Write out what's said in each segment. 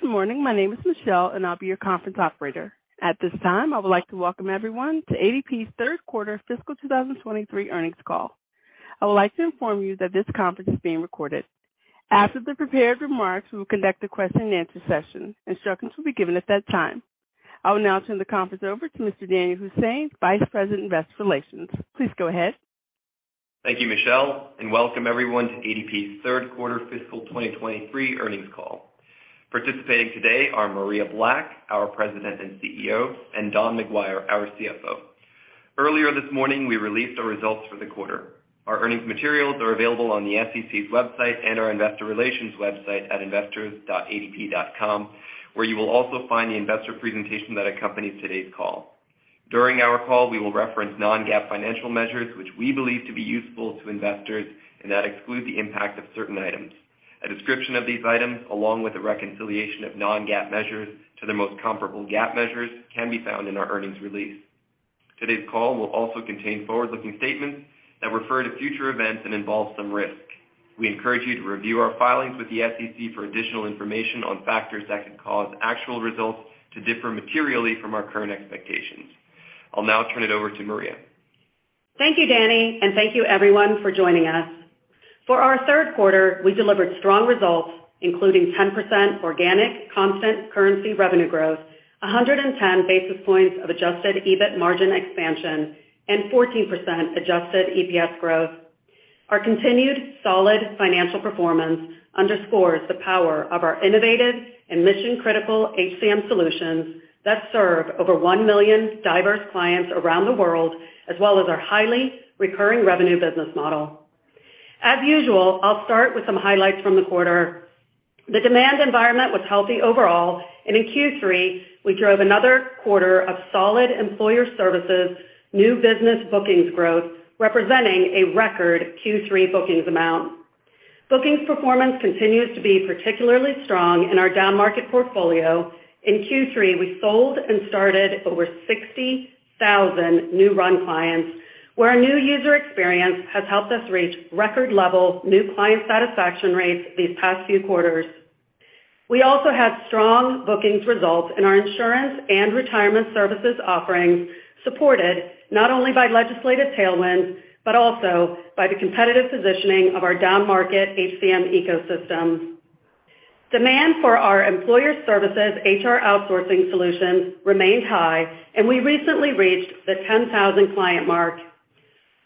Good morning. My name is Michelle, and I'll be your conference operator. At this time, I would like to welcome everyone to ADP's Q3 fiscal 2023 earnings call. I would like to inform you that this conference is being recorded. After the prepared remarks, we will conduct a question-and-answer session. Instructions will be given at that time. I will now turn the conference over to Mr. Danny Hussain, Vice President, Investor Relations. Please go ahead. Thank you, Michelle, and welcome everyone to ADP's Q3 fiscal 2023 earnings call. Participating today are Maria Black, our President and CEO, and Don McGuire, our CFO. Earlier this morning, we released our results for the quarter. Our earnings materials are available on the SEC's website and our investor relations website at investors.adp.com, where you will also find the investor presentation that accompanies today's call. During our call, we will reference non-GAAP financial measures, which we believe to be useful to investors and that exclude the impact of certain items. A description of these items, along with a reconciliation of non-GAAP measures to their most comparable GAAP measures, can be found in our earnings release. Today's call will also contain forward-looking statements that refer to future events and involve some risks. We encourage you to review our filings with the SEC for additional information on factors that could cause actual results to differ materially from our current expectations. I'll now turn it over to Maria. Thank you, Danny, and thank you, everyone, for joining us. For our Q3, we delivered strong results, including 10% organic constant currency revenue growth, 110 basis points of adjusted EBIT margin expansion, and 14% adjusted EPS growth. Our continued solid financial performance underscores the power of our innovative and mission-critical HCM solutions that serve over 1 million diverse clients around the world, as well as our highly recurring revenue business model. As usual, I'll start with some highlights from the quarter. The demand environment was healthy overall. In Q3, we drove another quarter of solid Employer Services, new business bookings growth, representing a record Q3 bookings amount. Bookings performance continues to be particularly strong in our downmarket portfolio. In Q3, we sold and started over 60,000 new RUN clients, where our new user experience has helped us reach record level new client satisfaction rates these past few quarters. We also had strong bookings results in our insurance and retirement services offerings, supported not only by legislative tailwinds, but also by the competitive positioning of our downmarket HCM ecosystem. Demand for our Employer Services HR outsourcing solutions remained high, and we recently reached the 10,000-client mark.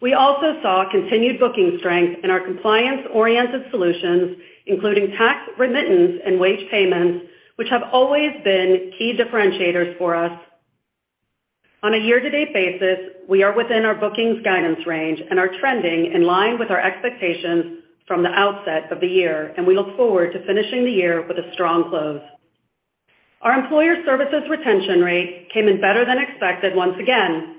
We also saw continued booking strength in our compliance-oriented solutions, including tax remittance and wage payments, which have always been key differentiators for us. On a year-to-date basis, we are within our bookings guidance range and are trending in line with our expectations from the outset of the year. We look forward to finishing the year with a strong growth. Our Employer Services retention rate came in better than expected once again.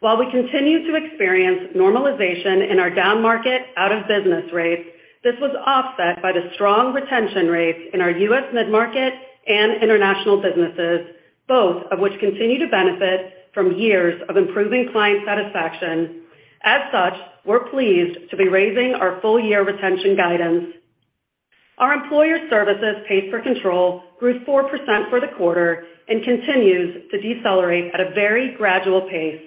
While we continued to experience normalization in our downmarket out-of-business rates, this was offset by the strong retention rates in our U.S. mid-market and international businesses, both of which continue to benefit from years of improving client satisfaction. We're pleased to be raising our full-year retention guidance. Our Employer Services pays per control grew 4% for the quarter and continues to decelerate at a very gradual pace.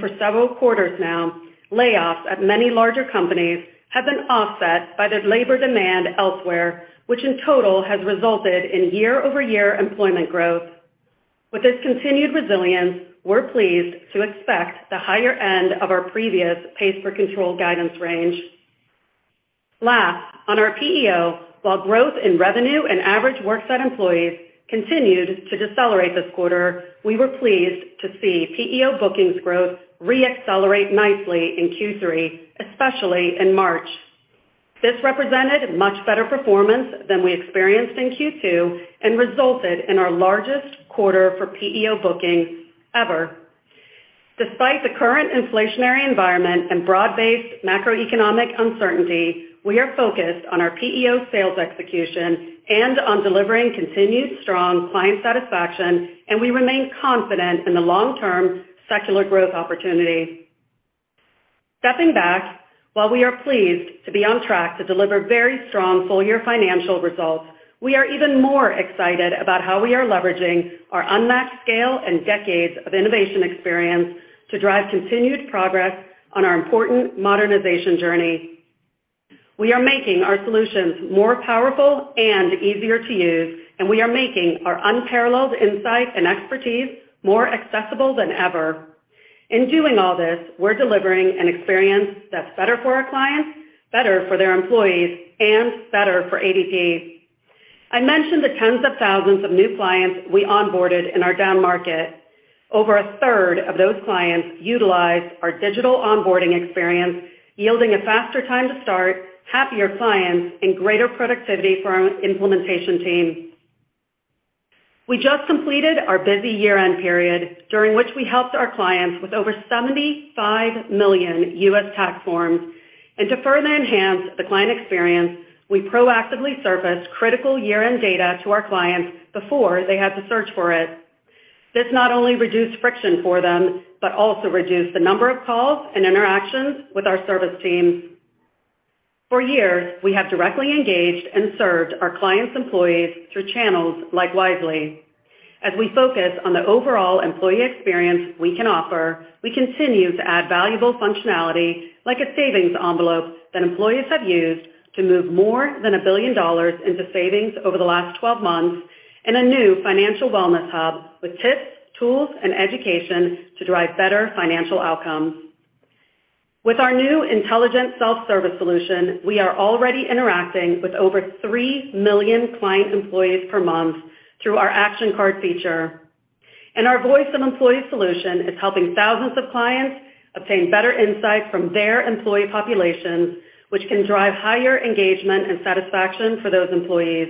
For several quarters now, layoffs at many larger companies have been offset by the labor demand elsewhere, which in total has resulted in year-over-year employment growth. We're pleased to expect the higher end of our previous pays per control guidance range. Last, on our PEO, while growth in revenue and average worksite employees continued to decelerate this quarter, we were pleased to see PEO bookings growth re-accelerate nicely in Q3, especially in March. This represented much better performance than we experienced in Q2 and resulted in our largest quarter for PEO bookings ever. Despite the current inflationary environment and broad-based macroeconomic uncertainty, we are focused on our PEO sales execution and on delivering continued strong client satisfaction, and we remain confident in the long-term secular growth opportunity. Stepping back, while we are pleased to be on track to deliver very strong full-year financial results, we are even more excited about how we are leveraging our unmatched scale and decades of innovation experience to drive continued progress on our important modernization journey. We are making our solutions more powerful and easier to use, and we are making our unparalleled insight and expertise more accessible than ever. In doing all this, we're delivering an experience that's better for our clients, better for their employees, and better for ADP. I mentioned the tens of thousands of new clients we onboarded in our down market. Over a third of those clients utilized our digital onboarding experience, yielding a faster time to start, happier clients, and greater productivity for our implementation team. We just completed our busy year-end period, during which we helped our clients with over 75 million U.S. tax forms. To further enhance the client experience, we proactively surfaced critical year-end data to our clients before they had to search for it. This not only reduced friction for them, but also reduced the number of calls and interactions with our service teams. For years, we have directly engaged and served our clients' employees through channels like Wisely. As we focus on the overall employee experience we can offer, we continue to add valuable functionality like a savings envelope that employees have used to move more than $1 billion into savings over the last 12 months in a new financial wellness hub with tips, tools, and education to drive better financial outcomes. With our new Intelligent Self-Service solution, we are already interacting with over 3 million client employees per month through our Action Cards feature. Our Voice of the Employee solution is helping thousands of clients obtain better insights from their employee populations, which can drive higher engagement and satisfaction for those employees.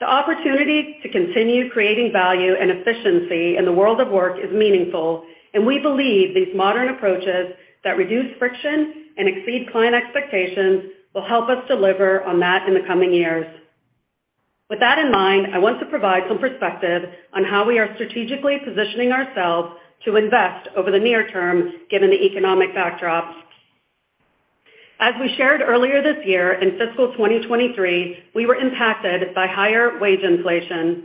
The opportunity to continue creating value and efficiency in the world of work is meaningful, and we believe these modern approaches that reduce friction and exceed client expectations will help us deliver on that in the coming years. With that in mind, I want to provide some perspective on how we are strategically positioning ourselves to invest over the near term given the economic backdrop. As we shared earlier this year, in fiscal 2023, we were impacted by higher wage inflation.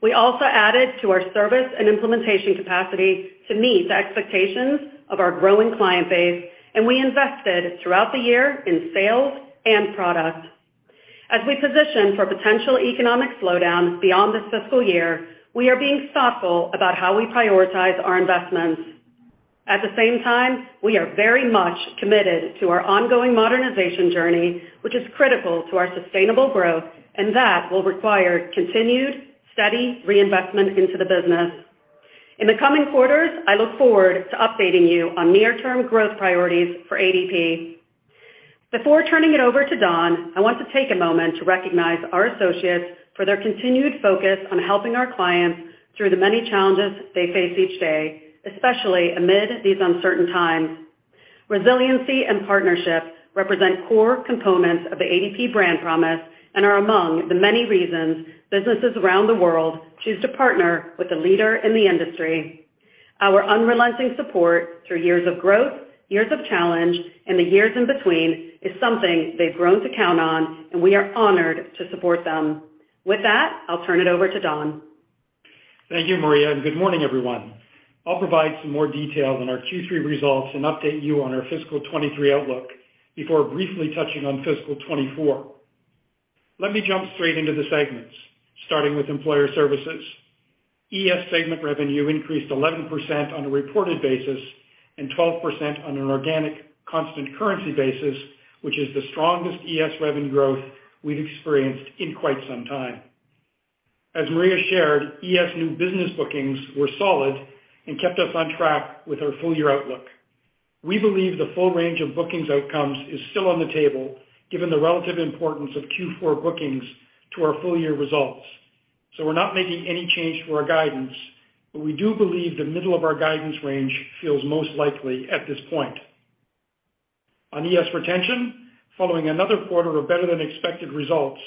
We also added to our service and implementation capacity to meet the expectations of our growing client base, and we invested throughout the year in sales and product. As we position for potential economic slowdown beyond this fiscal year, we are being thoughtful about how we prioritize our investments. At the same time, we are very much committed to our ongoing modernization journey, which is critical to our sustainable growth, and that will require continued steady reinvestment into the business. In the coming quarters, I look forward to updating you on near-term growth priorities for ADP. Before turning it over to Don, I want to take a moment to recognize our associates for their continued focus on helping our clients through the many challenges they face each day, especially amid these uncertain times. Resiliency and partnership represent core components of the ADP brand promise and are among the many reasons businesses around the world choose to partner with the leader in the industry. Our unrelenting support through years of growth, years of challenge, and the years in between is something they've grown to count on, and we are honored to support them. With that, I'll turn it over to Don. Thank you, Maria. Good morning, everyone. I'll provide some more details on our Q3 results and update you on our fiscal 2023 outlook before briefly touching on fiscal 2024. Let me jump straight into the segments, starting with Employer Services. ES segment revenue increased 11% on a reported basis and 12% on an organic constant currency basis, which is the strongest ES revenue growth we've experienced in quite some time. As Maria shared, ES new business bookings were solid and kept us on track with our full-year outlook. We're not making any change to our guidance, but we do believe the middle of our guidance range feels most likely at this point. On ES retention, following another quarter of better-than-expected results,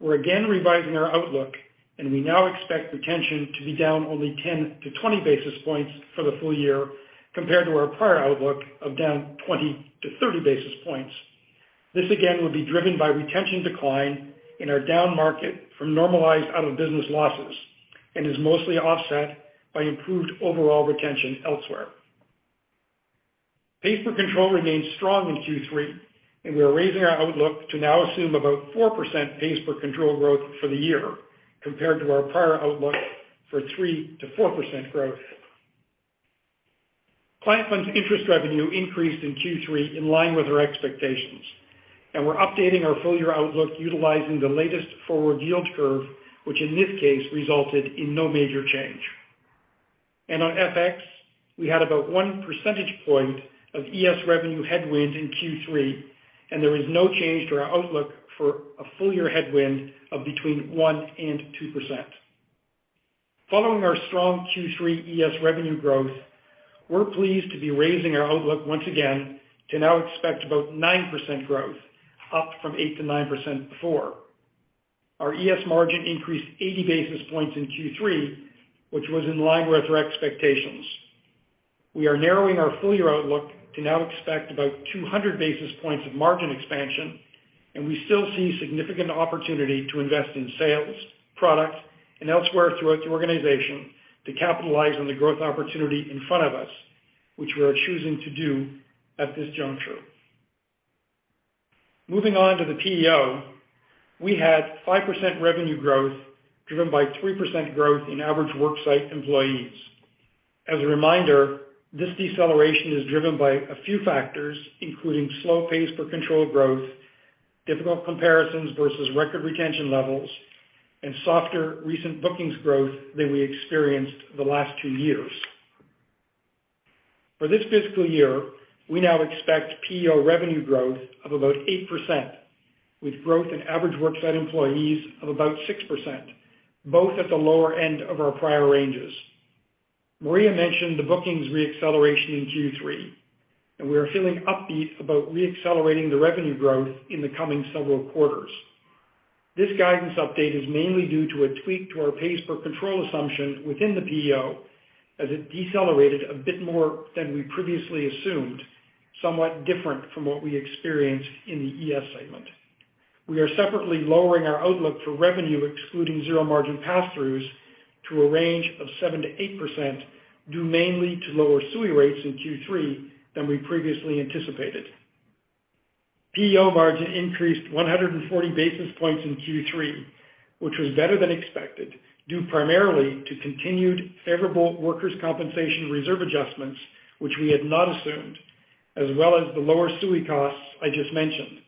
we're again revising our outlook, and we now expect retention to be down only 10 to 20 basis points for the full year compared to our prior outlook of down 20 basis points-30 basis points. This again will be driven by retention decline in our down market from normalized out-of-business losses and is mostly offset by improved overall retention elsewhere. Pays per control remains strong in Q3, and we are raising our outlook to now assume about 4% pays per control growth for the year compared to our prior outlook for 3%-4% growth. Client funds interest revenue increased in Q3 in line with our expectations, and we're updating our full-year outlook utilizing the latest forward yield curve, which in this case resulted in no major change. On FX, we had about 1 percentage point of ES revenue headwind in Q3, and there is no change to our outlook for a full-year headwind of between 1% and 2%. Following our strong Q3 ES revenue growth, we're pleased to be raising our outlook once again to now expect about 9% growth, up from 8%-9% before. Our ES margin increased 80 basis points in Q3, which was in line with our expectations. We are narrowing our full-year outlook to now expect about 200 basis points of margin expansion, and we still see significant opportunity to invest in sales, product, and elsewhere throughout the organization to capitalize on the growth opportunity in front of us, which we are choosing to do at this juncture. Moving on to the PEO, we had 5% revenue growth, driven by 3% growth in average worksite employees. As a reminder, this deceleration is driven by a few factors, including slow pays per control growth, difficult comparisons versus record retention levels, and softer recent bookings growth than we experienced the last two years. For this fiscal year, we now expect PEO revenue growth of about 8%, with growth in average worksite employees of about 6%, both at the lower end of our prior ranges. Maria mentioned the bookings reacceleration in Q3, we are feeling upbeat about reaccelerating the revenue growth in the coming several quarters. This guidance update is mainly due to a tweak to our pays per control assumption within the PEO as it decelerated a bit more than we previously assumed, somewhat different from what we experienced in the ES segment. We are separately lowering our outlook for revenue, excluding zero margin pass-throughs, to a range of 7%-8%, due mainly to lower SUI rates in Q3 than we previously anticipated. PEO margin increased 140 basis points in Q3, which was better than expected, due primarily to continued favorable workers' compensation reserve adjustments, which we had not assumed, as well as the lower SUI costs I just mentioned.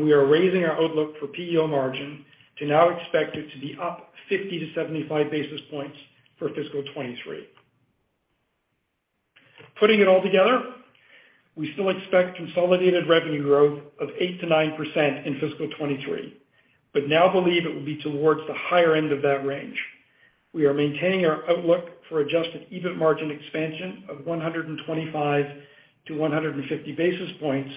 We are raising our outlook for PEO margin to now expect it to be up 50 basis points-75 basis points for fiscal 2023. Putting it all together, we still expect consolidated revenue growth of 8%-9% in fiscal 2023, but now believe it will be towards the higher end of that range. We are maintaining our outlook for adjusted EBIT margin expansion of 125 basis points-150 basis points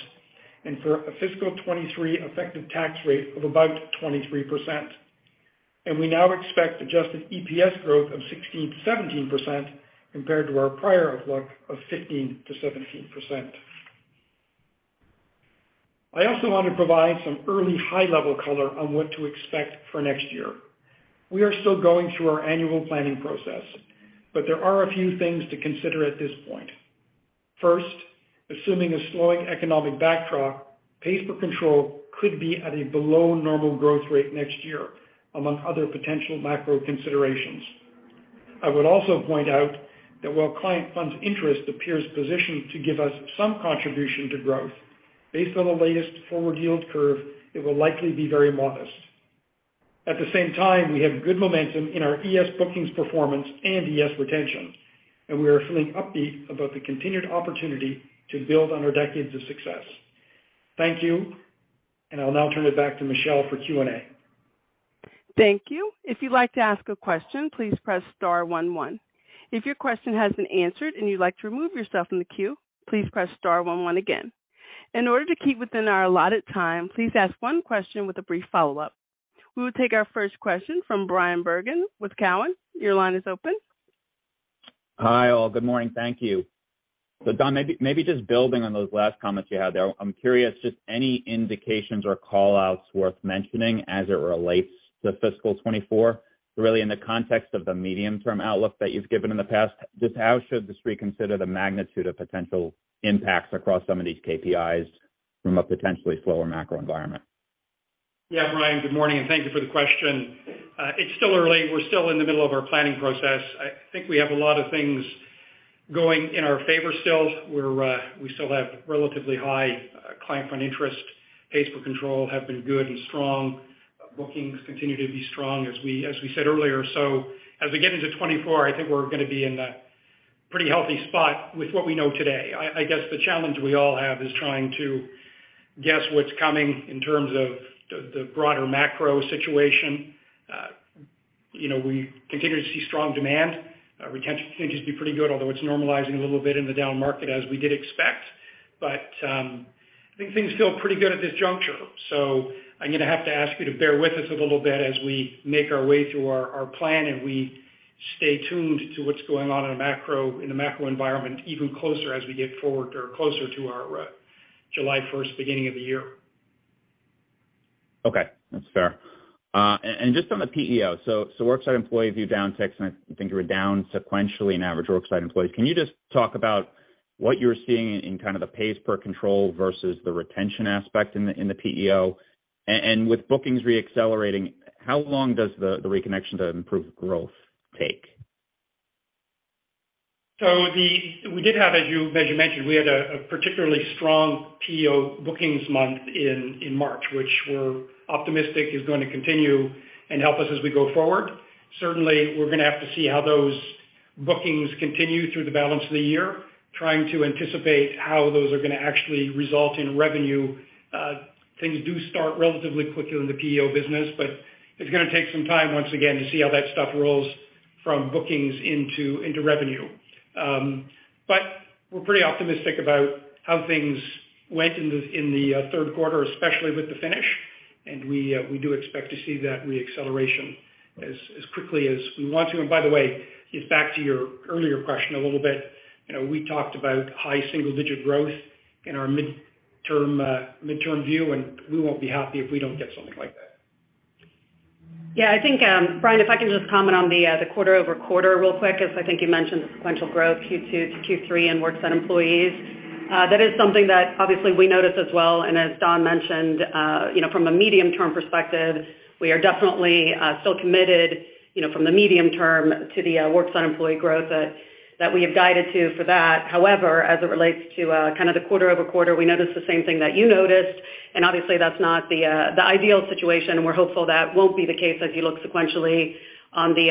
and for a fiscal 2023 effective tax rate of about 23%. We now expect adjusted EPS growth of 16%-17% compared to our prior outlook of 15%-17%. I also want to provide some early high-level color on what to expect for next year. We are still going through our annual planning process, but there are a few things to consider at this point. First, assuming a slowing economic backdrop, pays per control could be at a below-normal growth rate next year, among other potential macro considerations. I would also point out that while client funds interest appears positioned to give us some contribution to growth, based on the latest forward yield curve, it will likely be very modest. At the same time, we have good momentum in our ES bookings performance and ES retention, and we are feeling upbeat about the continued opportunity to build on our decades of success. Thank you, and I'll now turn it back to Michelle for Q&A. Thank you. If you'd like to ask a question, please press star one one. If your question has been answered and you'd like to remove yourself from the queue, please press star one one again. In order to keep within our allotted time, please ask one question with a brief follow-up. We will take our first question from Bryan Bergin with Cowen. Your line is open. Hi, all. Good morning. Thank you. Don, maybe just building on those last comments you had there, I'm curious, just any indications or call-outs worth mentioning as it relates to fiscal 2024, really in the context of the medium-term outlook that you've given in the past, just how should the street consider the magnitude of potential impacts across some of these KPIs from a potentially slower macro environment? Yeah, Bryan, good morning, and thank you for the question. It's still early. We're still in the middle of our planning process. I think we have a lot of things going in our favor still. We still have relatively high client fund interest. Pays per control have been good and strong. Bookings continue to be strong, as we said earlier. As we get into 2024, I think we're gonna be in a pretty healthy spot with what we know today. I guess the challenge we all have is trying to guess what's coming in terms of the broader macro situation. You know, we continue to see strong demand. Retention continues to be pretty good, although it's normalizing a little bit in the down market as we did expect. I think things feel pretty good at this juncture. I'm gonna have to ask you to bear with us a little bit as we make our way through our plan, and we stay tuned to what's going on in the macro environment, even closer as we get forward or closer to our July 1st beginning of the year. Okay, that's fair. Just on the PEO. Worksite employee view down ticks, and I think you were down sequentially in average worksite employees. Can you just talk about what you're seeing in kind of the pays per control versus the retention aspect in the PEO? With bookings reaccelerating, how long does the reconnection to improved growth take? We did have, as you mentioned, we had a particularly strong PEO bookings month in March, which we're optimistic is going to continue and help us as we go forward. Certainly, we're gonna have to see how those bookings continue through the balance of the year, trying to anticipate how those are gonna actually result in revenue. Things do start relatively quickly in the PEO business, but it's gonna take some time, once again, to see how that stuff rolls from bookings into revenue. We're pretty optimistic about how things went in the Q3, especially with the finish, and we do expect to see that reacceleration as quickly as we want to. By the way, just back to your earlier question a little bit, you know, we talked about high single-digit growth in our midterm view, and we won't be happy if we don't get something like that. I think, Bryan, if I can just comment on the quarter-over-quarter real quick, as I think you mentioned the sequential growth Q2 to Q3 in worksite employees. That is something that obviously we noticed as well, and as Don mentioned, you know, from a medium-term perspective, we are definitely still committed, you know, from the medium term to the worksite employee growth that we have guided to for that. However, as it relates to kind of the quarter-over-quarter, we noticed the same thing that you noticed, and obviously that's not the ideal situation, and we're hopeful that won't be the case as you look sequentially on the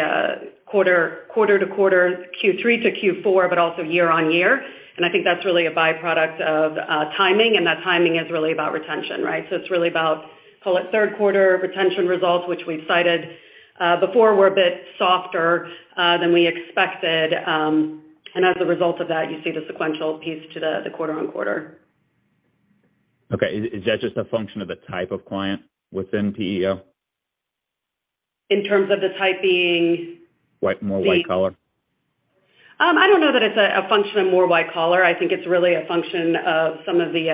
quarter-to-quarter, Q3 to Q4, but also year-on-year. I think that's really a byproduct of timing, and that timing is really about retention, right? It's really about, call it Q3 retention results, which we've cited before were a bit softer than we expected, as a result of that, you see the sequential piece to the quarter-on-quarter. Okay. Is that just a function of the type of client within PEO? In terms of the type being? White, more white-collar. I don't know that it's a function of more white-collar. I think it's really a function of some of the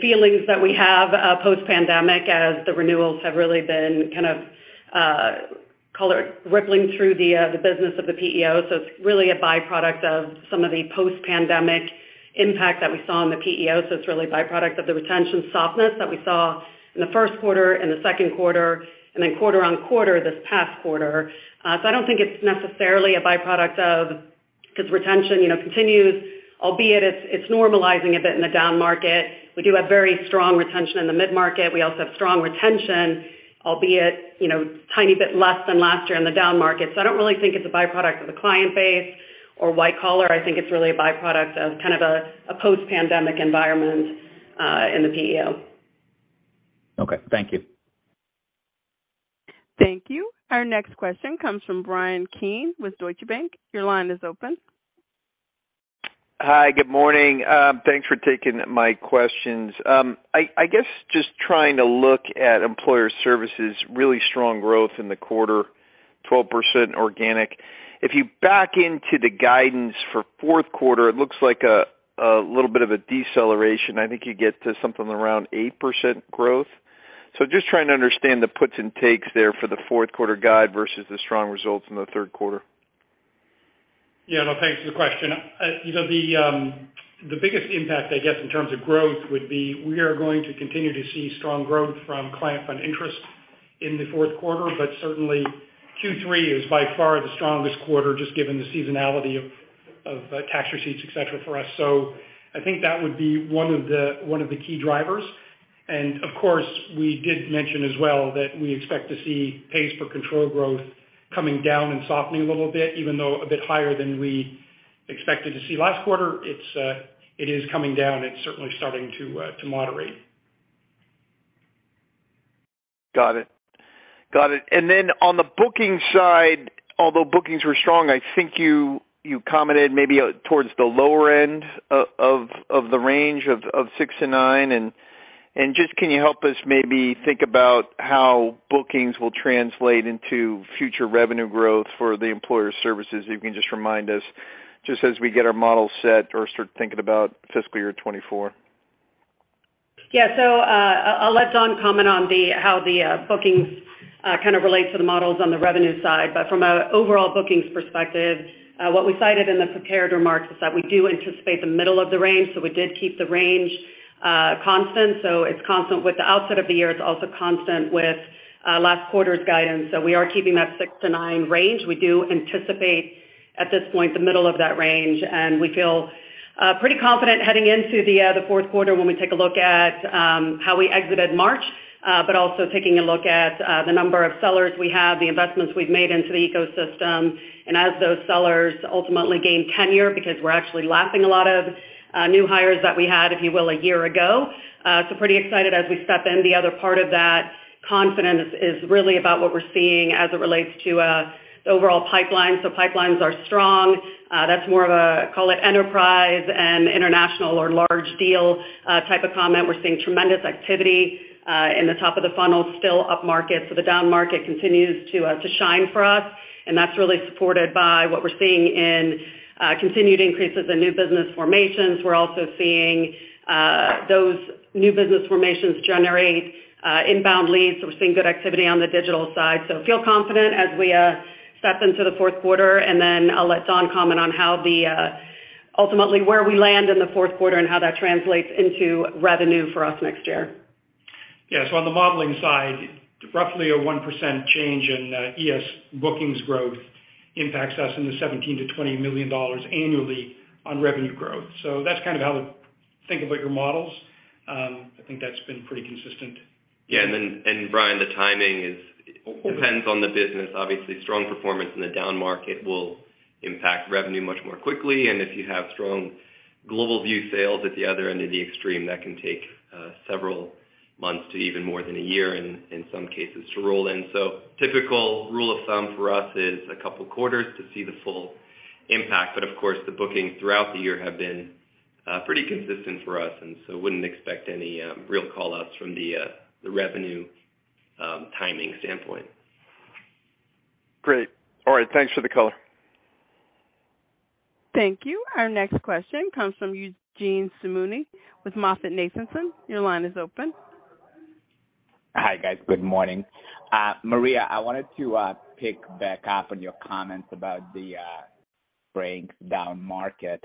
feelings that we have post-pandemic as the renewals have really been kind of rippling through the business of the PEO. It's really a by-product of some of the post-pandemic impact that we saw in the PEO. It's really a by-product of the retention softness that we saw in the Q1 and the Q2, and then quarter on quarter this past quarter. I don't think it's necessarily a by-product of- because retention, you know, continues, albeit it's normalizing a bit in the down market. We do have very strong retention in the mid-market. We also have strong retention, albeit, you know, tiny bit less than last year in the down market. I don't really think it's a by-product of the client base or white collar. I think it's really a by-product of kind of a post-pandemic environment in the PEO. Okay. Thank you. Thank you. Our next question comes from Bryan Keane with Deutsche Bank. Your line is open. Hi. Good morning. Thanks for taking my questions. I guess just trying to look at Employer Services, really strong growth in the quarter, 12% organic. If you back into the guidance for Q4, it looks like a little bit of a deceleration. I think you get to something around 8% growth. Just trying to understand the puts and takes there for the Q4 guide versus the strong results in the Q3. No, thanks for the question. You know, the biggest impact, I guess, in terms of growth would be we are going to continue to see strong growth from client fund interest in the Q4, but certainly Q3 is by far the strongest quarter, just given the seasonality of tax receipts, et cetera, for us. I think that would be one of the key drivers. Of course, we did mention as well that we expect to see pays per control growth coming down and softening a little bit, even though a bit higher than we expected to see last quarter. It's, it is coming down. It's certainly starting to moderate. Got it. Then on the booking side, although bookings were strong, I think you commented maybe towards the lower end of the range of 6 and 9. Just, can you help us maybe think about how bookings will translate into future revenue growth for the Employer Services? If you can remind us as we get our model set or start thinking about fiscal year 2024. Yeah. I'll let Don comment on how the bookings kind of relate to the models on the revenue side. From an overall bookings perspective, what we cited in the prepared remarks is that we do anticipate the middle of the range, so we did keep the range constant. It's constant with the outset of the year. It's also constant with last quarter's guidance. We are keeping that 6-9 range. We do anticipate, at this point, the middle of that range, and we feel pretty confident heading into the Q4 when we take a look at how we exited March, but also taking a look at the number of sellers we have, the investments we've made into the ecosystem. As those sellers ultimately gain tenure, because we're actually lasting a lot of new hires that we had, if you will, a year ago. Pretty excited as we step in. The other part of that confidence is really about what we're seeing as it relates to the overall pipeline. Pipelines are strong. That's more of a, call it, enterprise and international or large deal type of comment. We're seeing tremendous activity in the top of the funnel, still upmarket. The downmarket continues to shine for us, and that's really supported by what we're seeing in continued increases in new business formations. We're also seeing those new business formations generate inbound leads. We're seeing good activity on the digital side. Feel confident as we step into the Q4, and then I'll let Don comment on how ultimately, where we land in the Q4 and how that translates into revenue for us next year. On the modeling side, roughly a 1% change in ES bookings growth impacts us in the $17 million-$20 million annually on revenue growth. That's kind of how to think about your models. I think that's been pretty consistent. Yeah. Bryan, the timing is-depends on the business. Obviously, strong performance in the downmarket will impact revenue much more quickly. If you have strong global view sales at the other end of the extreme, that can take several months to even more than a year in some cases to roll in. Typical rule of thumb for us is a couple quarters to see the full impact. Of course, the bookings throughout the year have been pretty consistent for us, and so wouldn't expect any real call-outs from the revenue timing standpoint. Great. All right. Thanks for the color. Thank you. Our next question comes from Eugene Simuni with MoffettNathanson. Your line is open. Hi, guys. Good morning. Maria, I wanted to pick back up on your comments about the strength downmarket.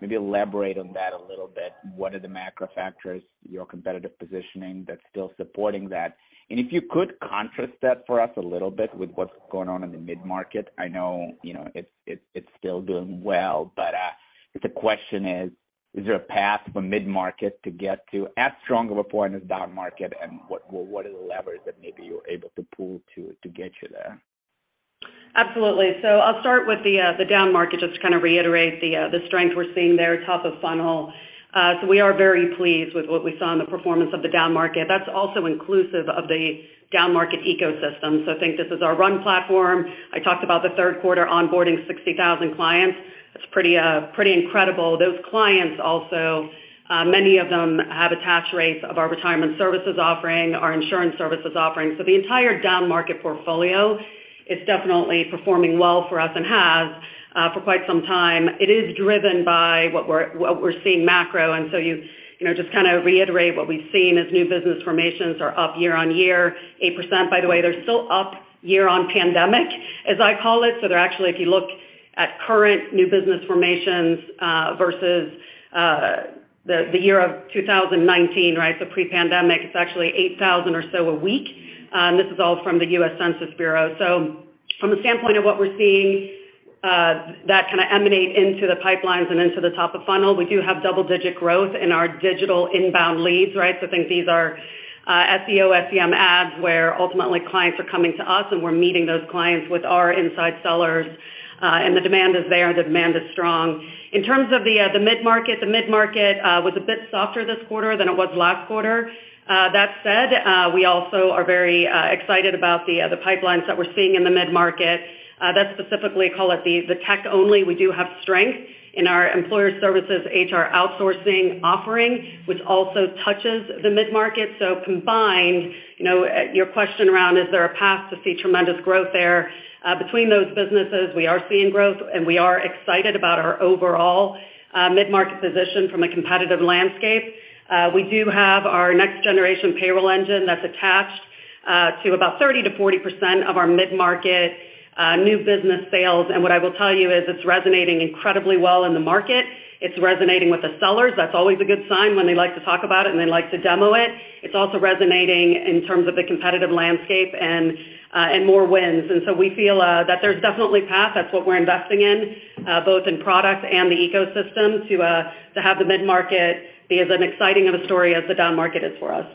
Maybe elaborate on that a little bit. What are the macro factors, your competitive positioning that's still supporting that? If you could contrast that for us a little bit with what's going on in the mid-market. I know, you know, it's, it's still doing well, but the question is: Is there a path for mid-market to get to as strong of a point as downmarket, and what are the levers that maybe you're able to pull to get you there? Absolutely. I'll start with the downmarket, just to kind of reiterate the strength we're seeing there, top of funnel. We are very pleased with what we saw in the performance of the downmarket. That's also inclusive of the downmarket ecosystem. Think this is our RUN platform. I talked about the Q3 onboarding 60,000 clients. It's pretty incredible. Those clients also, many of them have attach rates of our retirement services offering, our insurance services offering. The entire downmarket portfolio is definitely performing well for us and has for quite some time. It is driven by what we're, what we're seeing macro. You know, just to kind of reiterate what we've seen is new business formations are up year-over-year, 8%. By the way, they're still up year on pandemic, as I call it. They're actually, if you look at current new business formations, versus the year of 2019, right? Pre-pandemic, it's actually 8,000 or so a week, and this is all from the U.S. Census Bureau. From the standpoint of what we're seeing, that kind of emanate into the pipelines and into the top of funnel, we do have double-digit growth in our digital inbound leads, right? I think these are SEO, SEM ads, where ultimately clients are coming to us, and we're meeting those clients with our inside sellers, and the demand is there, and the demand is strong. The mid-market was a bit softer this quarter than it was last quarter. That said, we also are very excited about the pipelines that we're seeing in the mid-market that specifically call it the tech only. We do have strength in our Employer Services HR outsourcing offering, which also touches the mid-market. Combined, you know, your question around is there a path to see tremendous growth there between those businesses, we are seeing growth, and we are excited about our overall mid-market position from a competitive landscape. We do have our Next Generation Payroll engine that's attached to about 30%-40% of our mid-market new business sales. What I will tell you is it's resonating incredibly well in the market. It's resonating with the sellers. That's always a good sign when they like to talk about it and they like to demo it. It's also resonating in terms of the competitive landscape and more wins. We feel that there's definitely path. That's what we're investing in, both in product and the ecosystem to have the mid-market be as an exciting of a story as the down market is for us.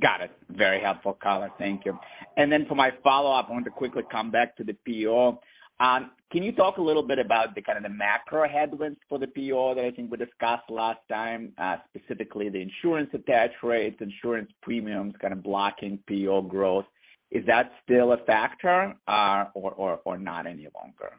Got it. Very helpful, color. Thank you. For my follow-up, I want to quickly come back to the PEO. Can you talk a little bit about the kind of the macro headwinds for the PEO that I think we discussed last time, specifically the insurance attach rates, insurance premiums kind of blocking PEO growth? Is that still a factor, or not any longer?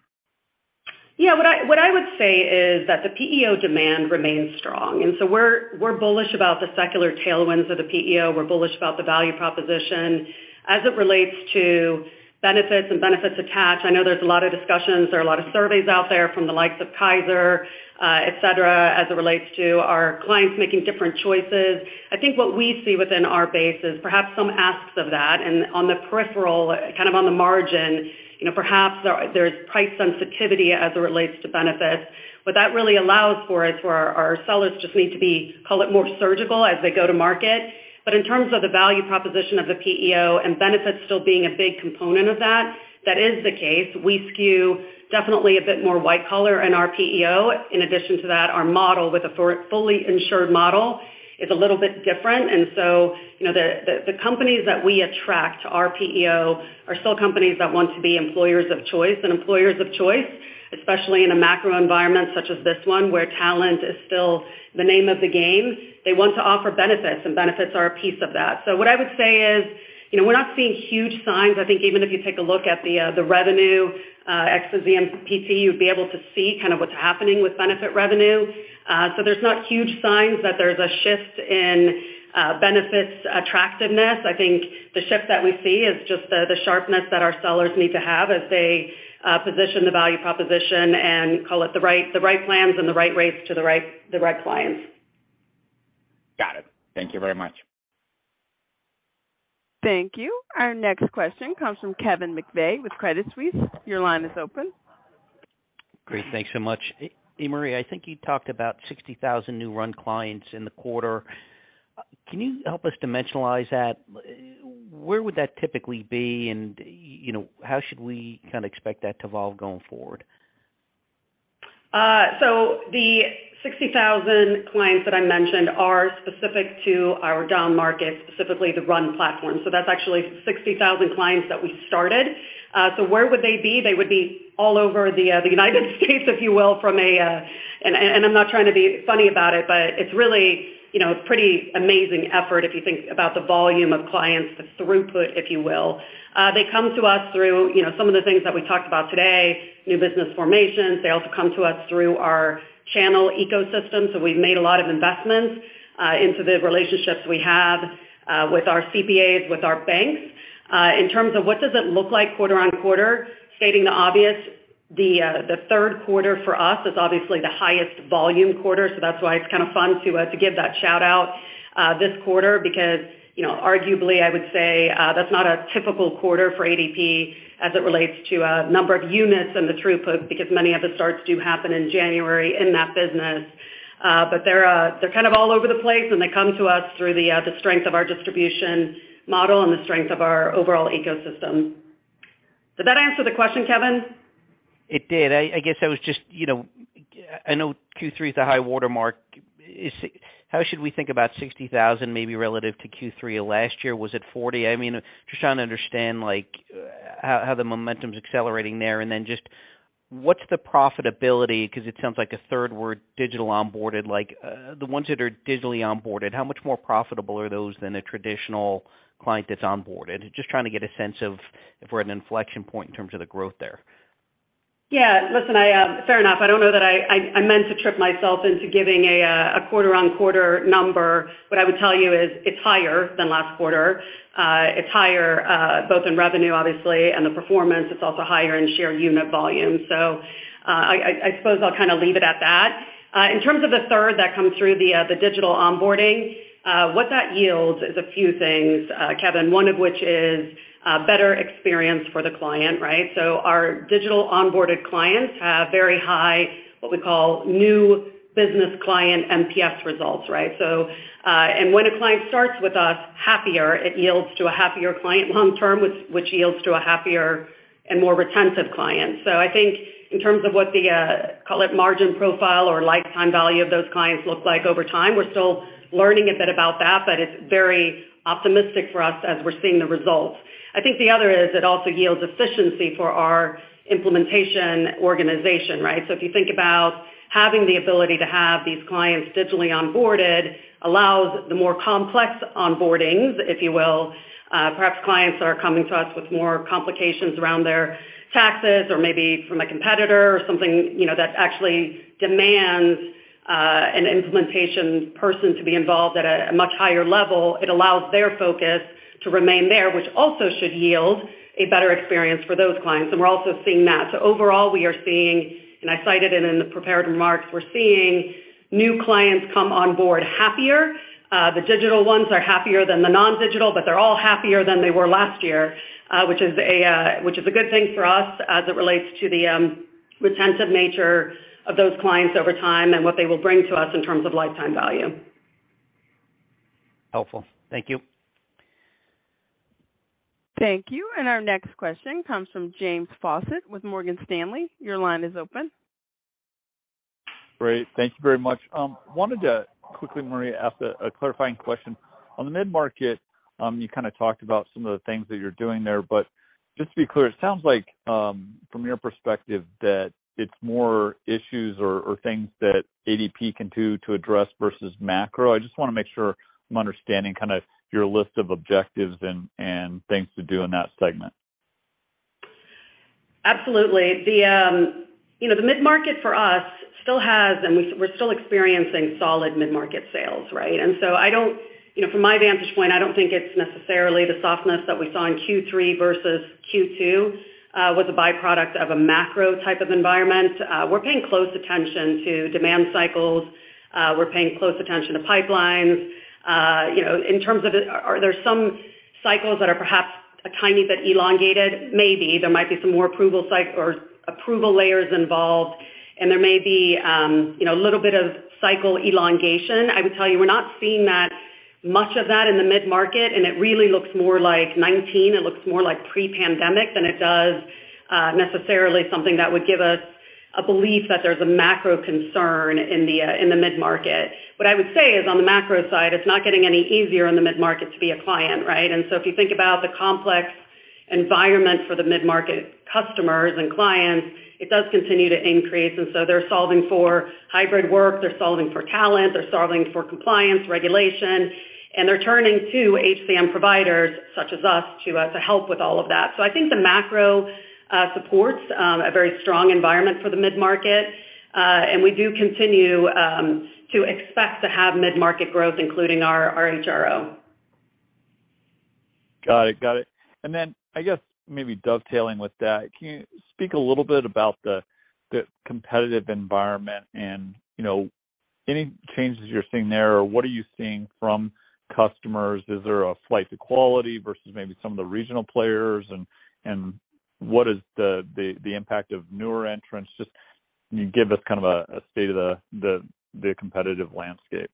Yeah. What I would say is that the PEO demand remains strong, and so we're bullish about the secular tailwinds of the PEO. We're bullish about the value proposition. As it relates to benefits and benefits attach, I know there's a lot of discussions. There are a lot of surveys out there from the likes of Kaiser, et cetera, as it relates to our clients making different choices. I think what we see within our base is perhaps some asks of that. On the peripheral, kind of on the margin, you know, perhaps there's price sensitivity as it relates to benefits. What that really allows for is for our sellers just need to be, call it, more surgical as they go to market. In terms of the value proposition of the PEO and benefits still being a big component of that is the case. We skew definitely a bit more white collar in our PEO. In addition to that, our model with a for-fully insured model is a little bit different. You know, the companies that we attract to our PEO are still companies that want to be employers of choice. Employers of choice, especially in a macro environment such as this one, where talent is still the name of the game, they want to offer benefits, and benefits are a piece of that. What I would say is, you know, we're not seeing huge signs. I think even if you take a look at the revenue ex the ZMPT, you'd be able to see kind of what's happening with benefit revenue. There's not huge signs that there's a shift in benefits attractiveness. I think the shift that we see is just the sharpness that our sellers need to have as they position the value proposition and call it the right plans and the right rates to the right clients. Got it. Thank you very much. Thank you. Our next question comes from Kevin McVeigh with Credit Suisse. Your line is open. Great. Thanks so much. Maria Black, I think you talked about 60,000 new RUN clients in the quarter. Can you help us dimensionalize that? Where would that typically be? You know, how should we kind of expect that to evolve going forward? The 60,000 clients that I mentioned are specific to our downmarket, specifically the RUN platform. That's actually 60,000 clients that we started. Where would they be? They would be all over the United States, if you will. And I'm not trying to be funny about it, but it's really, you know, a pretty amazing effort if you think about the volume of clients, the throughput, if you will. They come to us through, you know, some of the things that we talked about today, new business formations. They also come to us through our channel ecosystem. We've made a lot of investments into the relationships we have with our CPAs, with our banks. for us is obviously the highest volume quarter. That's why it's kind of fun to give that shout-out this quarter because, you know, arguably, I would say, that's not a typical quarter for ADP as it relates to number of units and the throughput because many of the starts do happen in January in that business. They're kind of all over the place, and they come to us through the strength of our distribution model and the strength of our overall ecosystem. Did that answer the question, Kevin? It did. I guess I was just, you know. I know Q3 is the high watermark. How should we think about 60,000 maybe relative to Q3 of last year? Was it 40? I mean, just trying to understand, like, how the momentum's accelerating there, and then just what's the profitability, 'cause it sounds like a third were digital onboarded. The ones that are digitally onboarded, how much more profitable are those than a traditional client that's onboarded? Just trying to get a sense of if we're at an inflection point in terms of the growth there. Yeah. Listen, I, fair enough. I don't know that I meant to trip myself into giving a quarter-on-quarter number. What I would tell you is it's higher than last quarter. It's higher, both in revenue obviously and the performance. It's also higher in share unit volume. I suppose I'll kind of leave it at that. In terms of the third that comes through the digital onboarding, what that yields is a few things, Kevin, one of which is a better experience for the client, right? Our digital onboarded clients have very high, what we call new business client NPS results, right? And when a client starts with us happier, it yields to a happier client long term, which yields to a happier and more retentive client. I think in terms of what the call it margin profile or lifetime value of those clients look like over time, we're still learning a bit about that, but it's very optimistic for us as we're seeing the results. I think the other is it also yields efficiency for our implementation organization, right? If you think about having the ability to have these clients digitally onboarded allows the more complex onboardings, if you will, perhaps clients that are coming to us with more complications around their taxes or maybe from a competitor or something, you know, that actually demands an implementation person to be involved at a much higher level. It allows their focus to remain there, which also should yield a better experience for those clients. We're also seeing that. Overall, we are seeing, and I cited it in the prepared remarks, we're seeing new clients come on board happier. The digital ones are happier than the non-digital, but they're all happier than they were last year, which is a good thing for us as it relates to the retentive nature of those clients over time and what they will bring to us in terms of lifetime value. Helpful. Thank you. Thank you. Our next question comes from James Faucette with Morgan Stanley. Your line is open. Great. Thank you very much. Wanted to quickly, Maria, ask a clarifying question. On the mid-market, you kind of talked about some of the things that you're doing there, but just to be clear, it sounds like from your perspective that it's more issues or things that ADP can do to address versus macro. I just wanna make sure I'm understanding kinda your list of objectives and things to do in that segment. Absolutely. The, you know, the mid-market for us still has, and we're still experiencing solid mid-market sales, right? I don't, you know, from my vantage point, I don't think it's necessarily the softness that we saw in Q3 versus Q2 was a byproduct of a macro type of environment. We're paying close attention to demand cycles. We're paying close attention to pipelines. You know, in terms of it, are there some cycles that are perhaps a tiny bit elongated? Maybe. There might be some more approval layers involved, and there may be, you know, a little bit of cycle elongation. I would tell you, we're not seeing that much of that in the mid-market. It really looks more like 19, it looks more like pre-pandemic than it does, necessarily something that would give us a belief that there's a macro concern in the mid-market. What I would say is on the macro side, it's not getting any easier in the mid-market to be a client, right? If you think about the complex environment for the mid-market customers and clients, it does continue to increase. They're solving for hybrid work, they're solving for talent, they're solving for compliance, regulation, and they're turning to HCM providers such as us to help with all of that. I think the macro supports a very strong environment for the mid-market, and we do continue to expect to have mid-market growth, including our HRO. Got it. Got it. Then I guess maybe dovetailing with that, can you speak a little bit about the competitive environment and, you know, any changes you're seeing there, or what are you seeing from customers? Is there a flight to quality versus maybe some of the regional players? What is the impact of newer entrants? Just can you give us kind of a state of the competitive landscape?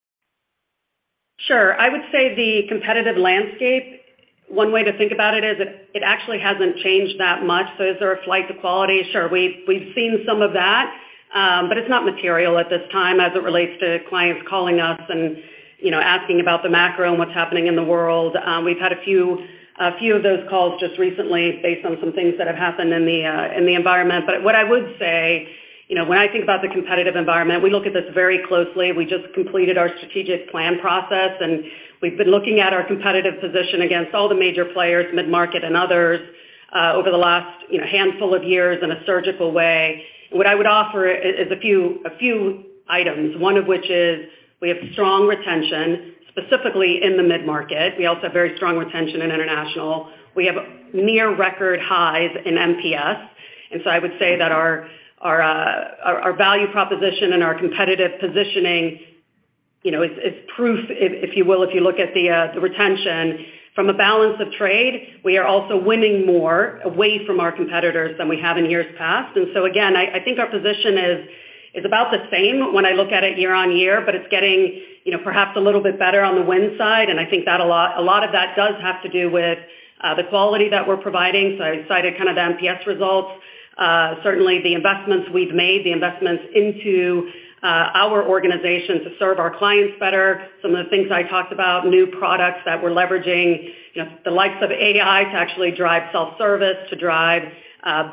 Sure. I would say the competitive landscape, one way to think about it actually hasn't changed that much. Is there a flight to quality? Sure. We've seen some of that, but it's not material at this time as it relates to clients calling us and, you know, asking about the macro and what's happening in the world. We've had a few of those calls just recently based on some things that have happened in the environment. What I would say, you know, when I think about the competitive environment, we look at this very closely. We just completed our strategic plan process, and we've been looking at our competitive position against all the major players, mid-market and others, over the last, you know, handful of years in a surgical way. What I would offer is a few items, one of which is we have strong retention, specifically in the mid-market. We also have very strong retention in international. We have near record highs in NPS. I would say that our value proposition and our competitive positioning, you know, is proof, if you will, if you look at the retention. From a balance of trade, we are also winning more away from our competitors than we have in years past. Again, I think our position is about the same when I look at it year-over-year, but it's getting, you know, perhaps a little bit better on the win side, and I think that a lot of that does have to do with the quality that we're providing. I cited kind of NPS results. Certainly the investments we've made, the investments into our organization to serve our clients better. Some of the things I talked about, new products that we're leveraging, you know, the likes of AI to actually drive self-service, to drive a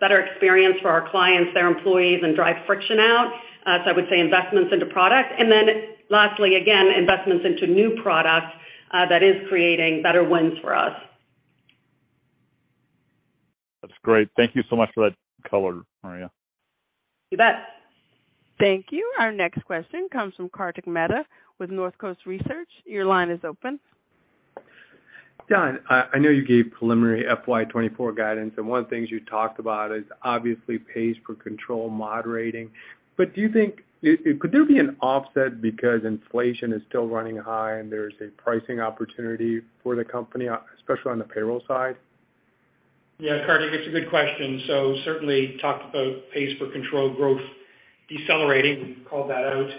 better experience for our clients, their employees, and drive friction out. I would say investments into products. Then lastly, again, investments into new products that is creating better wins for us. That's great. Thank you so much for that color, Maria. You bet. Thank you. Our next question comes from Kartik Mehta with Northcoast Research. Your line is open. John, I know you gave preliminary FY 2024 guidance, and one of the things you talked about is obviously pays per control moderating. Could there be an offset because inflation is still running high, and there is a pricing opportunity for the company, especially on the payroll side? Yeah, Kartik, it's a good question. Certainly talked about pays per control growth decelerating. We've called that out.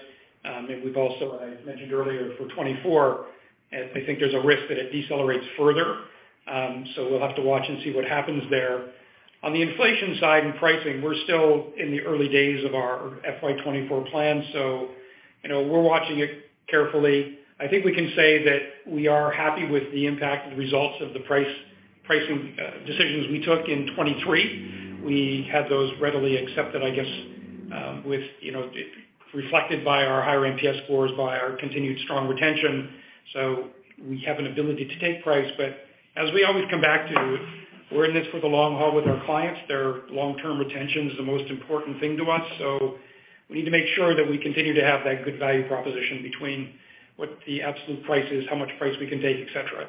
We've also, and I mentioned earlier for 2024, I think there's a risk that it decelerates further. We'll have to watch and see what happens there. On the inflation side and pricing, we're still in the early days of our FY 2024 plan, you know, we're watching it carefully. I think we can say that we are happy with the impact and results of the pricing decisions we took in 2023. We had those readily accepted, I guess, with, you know, reflected by our higher NPS scores, by our continued strong retention. We have an ability to take price. As we always come back to, we're in this for the long haul with our clients. Their long-term retention is the most important thing to us, so we need to make sure that we continue to have that good value proposition between what the absolute price is, how much price we can take, et cetera.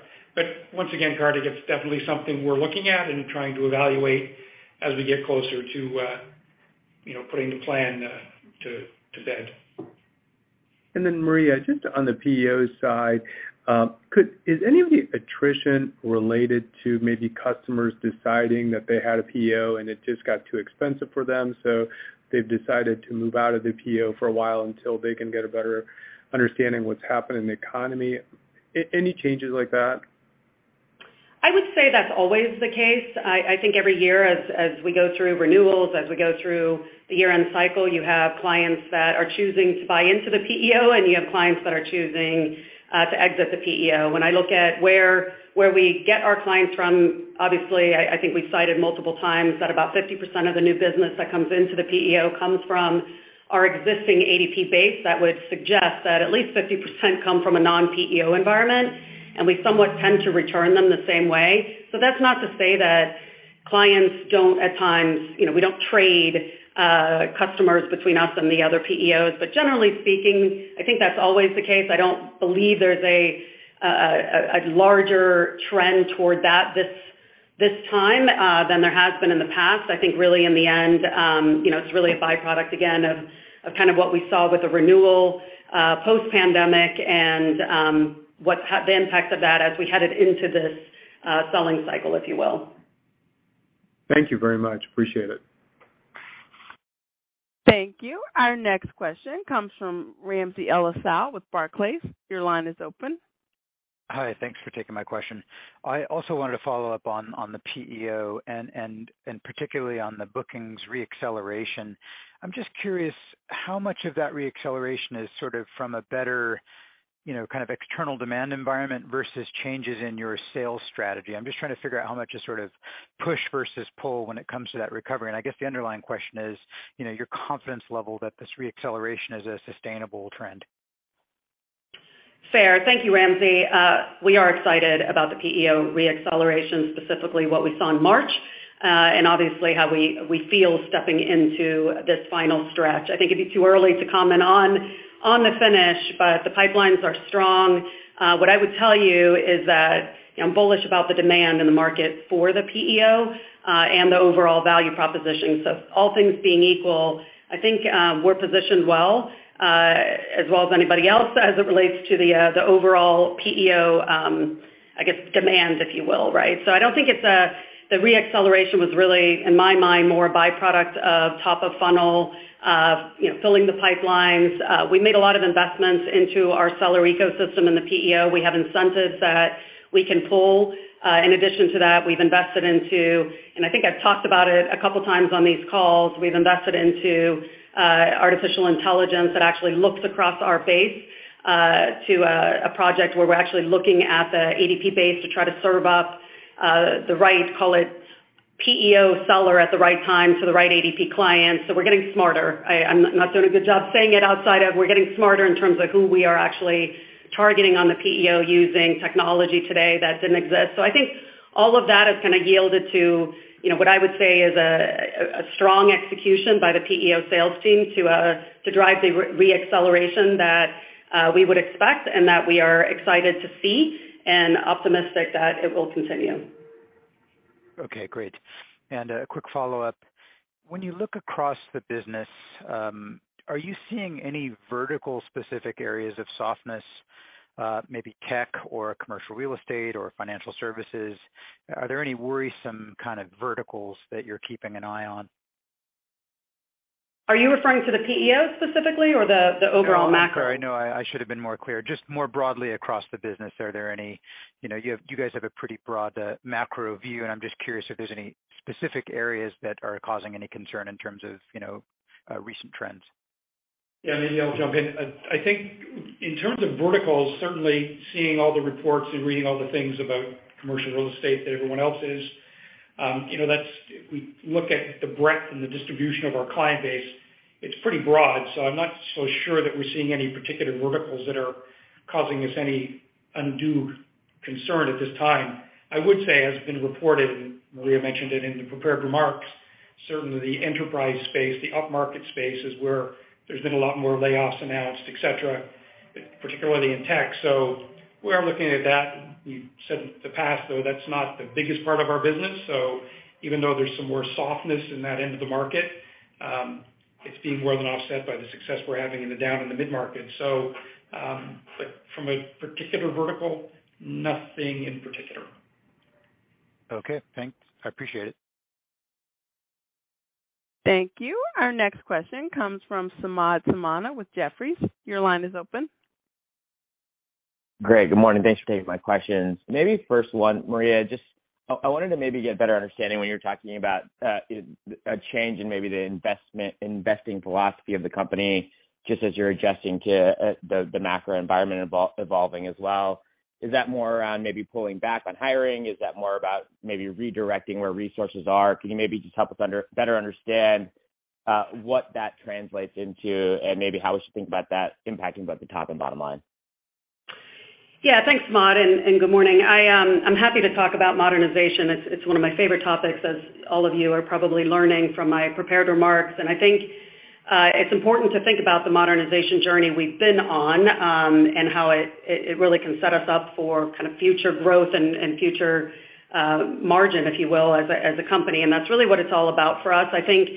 Once again, Kartik, it's definitely something we're looking at and trying to evaluate as we get closer to, you know, putting the plan to bed. Maria, just on the PEO side, Is any of the attrition related to maybe customers deciding that they had a PEO and it just got too expensive for them, so they've decided to move out of the PEO for a while until they can get a better understanding of what's happening in the economy? Any changes like that? I would say that's always the case. I think every year as we go through renewals, as we go through the year-end cycle, you have clients that are choosing to buy into the PEO, and you have clients that are choosing to exit the PEO. When I look at where we get our clients from, obviously I think we've cited multiple times that about 50% of the new business that comes into the PEO comes from our existing ADP base. That would suggest that at least 50% come from a non-PEO environment, and we somewhat tend to return them the same way. That's not to say that clients don't at times. You know, we don't trade customers between us and the other PEOs. Generally speaking, I think that's always the case. I don't believe there's a larger trend toward that this time than there has been in the past. I think really in the end, you know, it's really a byproduct again of kind of what we saw with the renewal post-pandemic and what's the impact of that as we headed into this selling cycle, if you will. Thank you very much. Appreciate it. Thank you. Our next question comes from Ramsey El-Assal with Barclays. Your line is open. Hi. Thanks for taking my question. I also wanted to follow up on the PEO and particularly on the bookings re-acceleration. I'm just curious how much of that re-acceleration is sort of from a better, you know, kind of external demand environment versus changes in your sales strategy. I'm just trying to figure out how much is sort of push versus pull when it comes to that recovery. I guess the underlying question is, you know, your confidence level that this re-acceleration is a sustainable trend. Fair. Thank you, Ramsey. We are excited about the PEO re-acceleration, specifically what we saw in March, and obviously how we feel stepping into this final stretch. I think it'd be too early to comment on the finish, but the pipelines are strong. What I would tell you is that I'm bullish about the demand in the market for the PEO, and the overall value proposition. All things being equal, I think, we're positioned well, as well as anybody else as it relates to the overall PEO, I guess, demand, if you will, right? The re-acceleration was really, in my mind, more a byproduct of top of funnel, you know, filling the pipelines. We made a lot of investments into our seller ecosystem in the PEO. We have incentives that we can pull. In addition to that, we've invested into, and I think I've talked about it a couple times on these calls, we've invested into artificial intelligence that actually looks across our base to a project where we're actually looking at the ADP base to try to serve up the right, call it PEO seller at the right time to the right ADP client. We're getting smarter. I'm not doing a good job saying it outside of we're getting smarter in terms of who we are actually targeting on the PEO using technology today that didn't exist. I think all of that has kind of yielded to, you know, what I would say is a strong execution by the PEO sales team to drive the re-acceleration that we would expect and that we are excited to see and optimistic that it will continue. Okay, great. A quick follow-up. When you look across the business, are you seeing any vertical specific areas of softness, maybe tech or commercial real estate or financial services? Are there any worrisome kind of verticals that you're keeping an eye on? Are you referring to the PEO specifically or the overall macro? No, I'm sorry. No, I should have been more clear. Just more broadly across the business, are there any- You know, you guys have a pretty broad macro view, I'm just curious if there's any specific areas that are causing any concern in terms of, you know, recent trends. Yeah, maybe I'll jump in. I think in terms of verticals, certainly seeing all the reports and reading all the things about commercial real estate that everyone else is. You know, if we look at the breadth and the distribution of our client base, it's pretty broad, so I'm not so sure that we're seeing any particular verticals that are causing us any undue concern at this time. I would say, as been reported, Maria mentioned it in the prepared remarks, certainly the enterprise space, the upmarket space is where there's been a lot more layoffs announced, et cetera, particularly in tech. We're looking at that. You said in the past, though, that's not the biggest part of our business. Even though there's some more softness in that end of the market, it's being more than offset by the success we're having in the down and the mid-market. From a particular vertical, nothing in particular. Okay. Thanks. I appreciate it. Thank you. Our next question comes from Samad Samana with Jefferies. Your line is open. Greg, good morning. Thanks for taking my questions. Maybe first one, Maria, just I wanted to maybe get a better understanding when you're talking about a change in maybe the investing philosophy of the company, just as you're adjusting to the macro environment evolving as well. Is that more around maybe pulling back on hiring? Is that more about maybe redirecting where resources are? Can you maybe just help us better understand what that translates into and maybe how we should think about that impacting both the top and bottom line? Yeah. Thanks, Samad Samana, and good morning. I'm happy to talk about modernization. It's one of my favorite topics, as all of you are probably learning from my prepared remarks. I think it's important to think about the modernization journey we've been on, and how it really can set us up for kind of future growth and future margin, if you will, as a company. That's really what it's all about for us. I think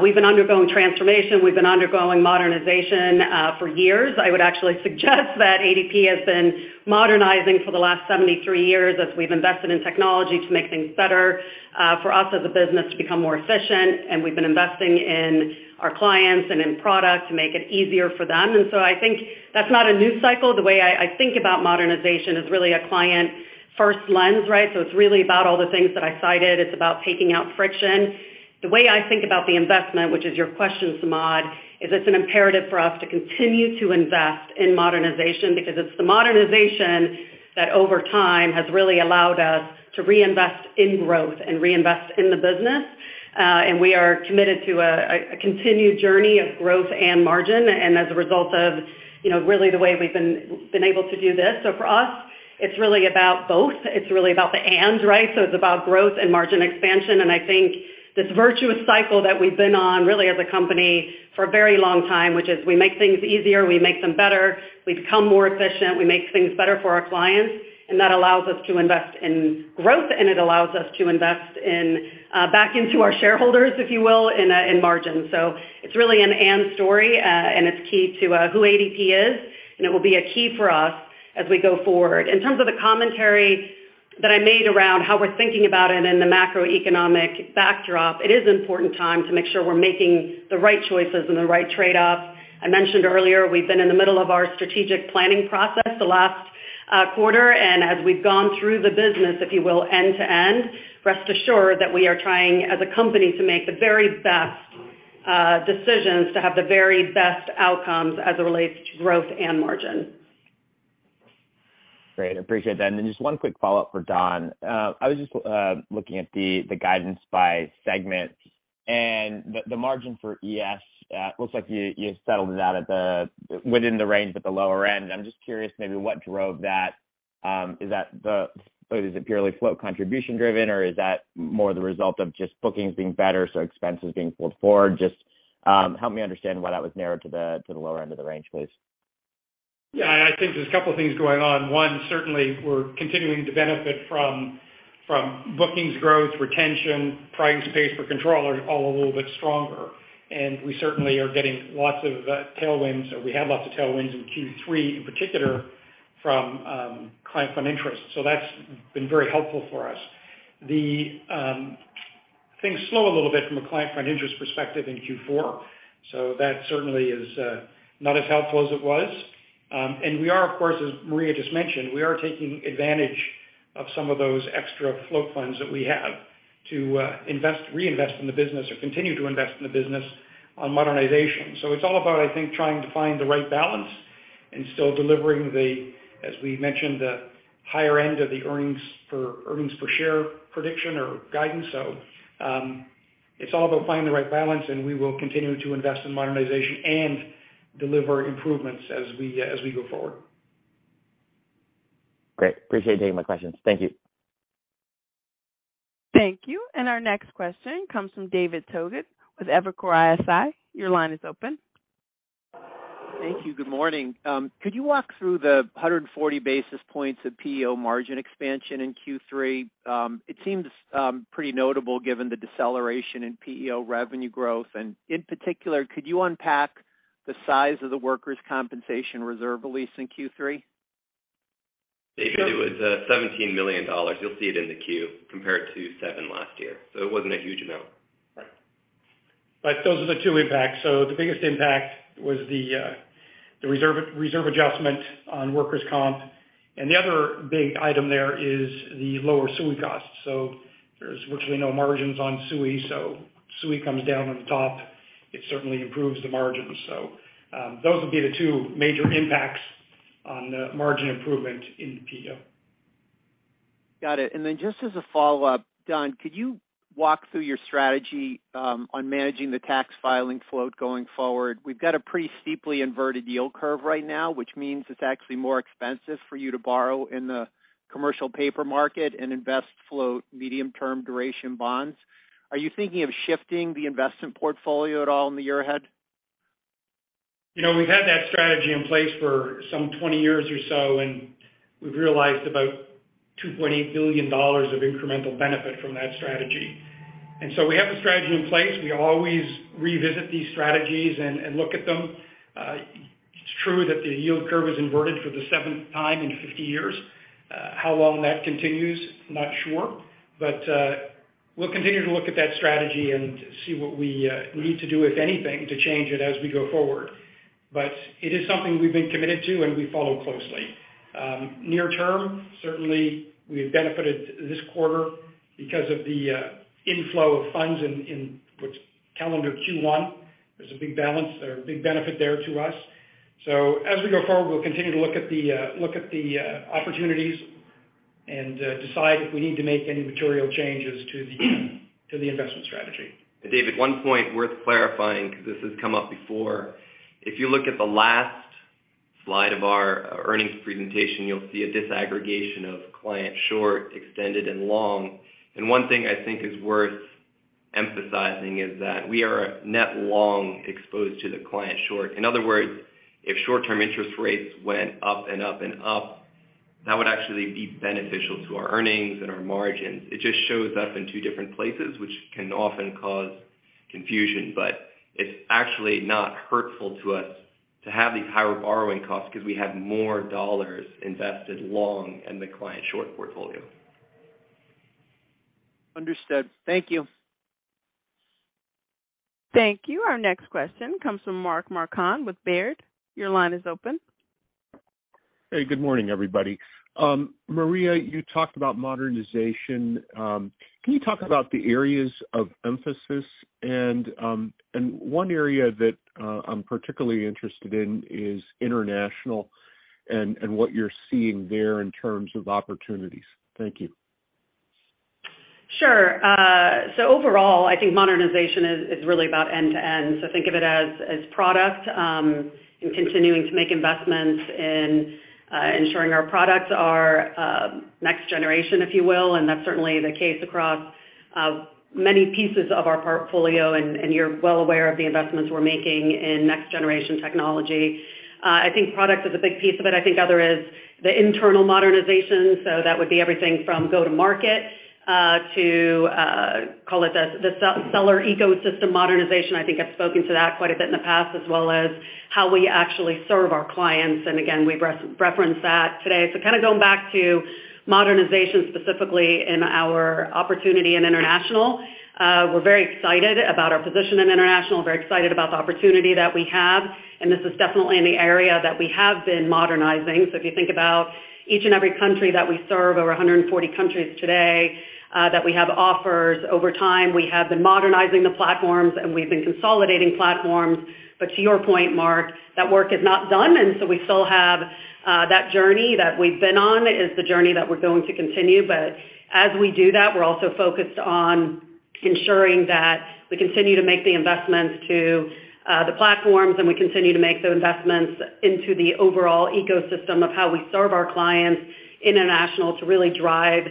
we've been undergoing transformation. We've been undergoing modernization for years. I would actually suggest that ADP has been modernizing for the last 73 years as we've invested in technology to make things better for us as a business to become more efficient. We've been investing in our clients and in product to make it easier for them. I think that's not a new cycle. The way I think about modernization is really a client first lens, right? It's really about all the things that I cited. It's about taking out friction. The way I think about the investment, which is your question, Samad, is it's an imperative for us to continue to invest in modernization because it's the modernization that over time has really allowed us to reinvest in growth and reinvest in the business. And we are committed to a continued journey of growth and margin, and as a result of, you know, really the way we've been able to do this. For us, it's really about both. It's really about the and, right? It's about growth and margin expansion. I think this virtuous cycle that we've been on really as a company for a very long time, which is we make things easier, we make them better, we become more efficient, we make things better for our clients, and that allows us to invest in growth, and it allows us to invest in back into our shareholders, if you will, in margins. It's really an and story, and it's key to who ADP is, and it will be a key for us as we go forward. In terms of the commentary that I made around how we're thinking about it in the macroeconomic backdrop, it is important time to make sure we're making the right choices and the right trade-off. I mentioned earlier, we've been in the middle of our strategic planning process the last quarter. As we've gone through the business, if you will, end to end, rest assured that we are trying as a company to make the very best decisions to have the very best outcomes as it relates to growth and margin. Great. I appreciate that. Then just one quick follow-up for Don. I was just looking at the guidance by segment and the margin for ES, looks like you settled that at the, within the range at the lower end. I'm just curious maybe what drove that. Is that Is it purely float contribution driven, or is that more the result of just bookings being better, so expenses being pulled forward? Just help me understand why that was narrowed to the, to the lower end of the range, please? Yeah. I think there's a couple of things going on. One, certainly we're continuing to benefit from bookings growth, retention, pricing space for controllers, all a little bit stronger. We certainly are getting lots of tailwinds, or we have lots of tailwinds in Q3, in particular from client fund interest. That's been very helpful for us. The things slow a little bit from a client fund interest perspective in Q4, that certainly is not as helpful as it was. We are, of course, as Maria just mentioned, we are taking advantage of some of those extra float funds that we have to reinvest in the business or continue to invest in the business on modernization. It's all about, I think, trying to find the right balance and still delivering the, as we mentioned, the higher end of the earnings per share prediction or guidance. It's all about finding the right balance, and we will continue to invest in modernization and deliver improvements as we, as we go forward. Great. Appreciate you taking my questions. Thank you. Thank you. Our next question comes from David Togut with Evercore ISI. Your line is open. Thank you. Good morning. Could you walk through the 140 basis points of PEO margin expansion in Q3? It seems pretty notable given the deceleration in PEO revenue growth. In particular, could you unpack the size of the workers' compensation reserve release in Q3? David, it was, $17 million. You'll see it in the Q compared to $7 million last year. It wasn't a huge amount. Right. Those are the two impacts. The biggest impact was the reserve adjustment on workers' comp. The other big item there is the lower SUI costs. There's virtually no margins on SUI. SUI comes down on the top, it certainly improves the margins. Those would be the two major impacts-On the margin improvement in PEO. Got it. Just as a follow-up, Don, could you walk through your strategy on managing the tax filing float going forward? We've got a pretty steeply inverted yield curve right now, which means it's actually more expensive for you to borrow in the commercial paper market and invest float medium-term duration bonds. Are you thinking of shifting the investment portfolio at all in the year ahead? You know, we've had that strategy in place for some 20 years or so, and we've realized about $2.8 billion of incremental benefit from that strategy. We have the strategy in place. We always revisit these strategies and look at them. It's true that the yield curve is inverted for the 7th time in 50 years. How long that continues, I'm not sure. We'll continue to look at that strategy and see what we need to do, if anything, to change it as we go forward. It is something we've been committed to, and we follow closely. Near term, certainly we've benefited this quarter because of the inflow of funds in what's calendar Q1. There's a big balance. There are big benefit there to us. As we go forward, we'll continue to look at the opportunities and decide if we need to make any material changes to the investment strategy. David Togut, one point worth clarifying because this has come up before. If you look at the last slide of our earnings presentation, you'll see a disaggregation of client short, extended, and long. One thing I think is worth emphasizing is that we are net long exposed to the client short. In other words, if short-term interest rates went up and up and up, that would actually be beneficial to our earnings and our margins. It just shows us in two different places, which can often cause confusion. It's actually not hurtful to us to have these higher borrowing costs because we have more dollars invested long in the client short portfolio. Understood. Thank you. Thank you. Our next question comes from Mark Marcon with Baird. Your line is open. Hey, good morning, everybody. Maria, you talked about modernization. Can you talk about the areas of emphasis? One area that I'm particularly interested in is international and what you're seeing there in terms of opportunities. Thank you. Sure. Overall, I think modernization is really about end to end. Think of it as product, and continuing to make investments in ensuring our products are next generation, if you will. That's certainly the case across many pieces of our portfolio, and you're well aware of the investments we're making in next-generation technology. I think product is a big piece of it. I think other is the internal modernization. That would be everything from go-to-market to, call it, the seller ecosystem modernization. I think I've spoken to that quite a bit in the past, as well as how we actually serve our clients. Again, we referenced that today. Kind of going back to modernization, specifically in our opportunity in international, we're very excited about our position in international, very excited about the opportunity that we have, and this is definitely an area that we have been modernizing. If you think about each and every country that we serve, over 140 countries today, that we have offers over time, we have been modernizing the platforms, and we've been consolidating platforms. To your point, Mark, that work is not done. We still have, that journey that we've been on is the journey that we're going to continue. As we do that, we're also focused on ensuring that we continue to make the investments to the platforms, and we continue to make the investments into the overall ecosystem of how we serve our clients international to really drive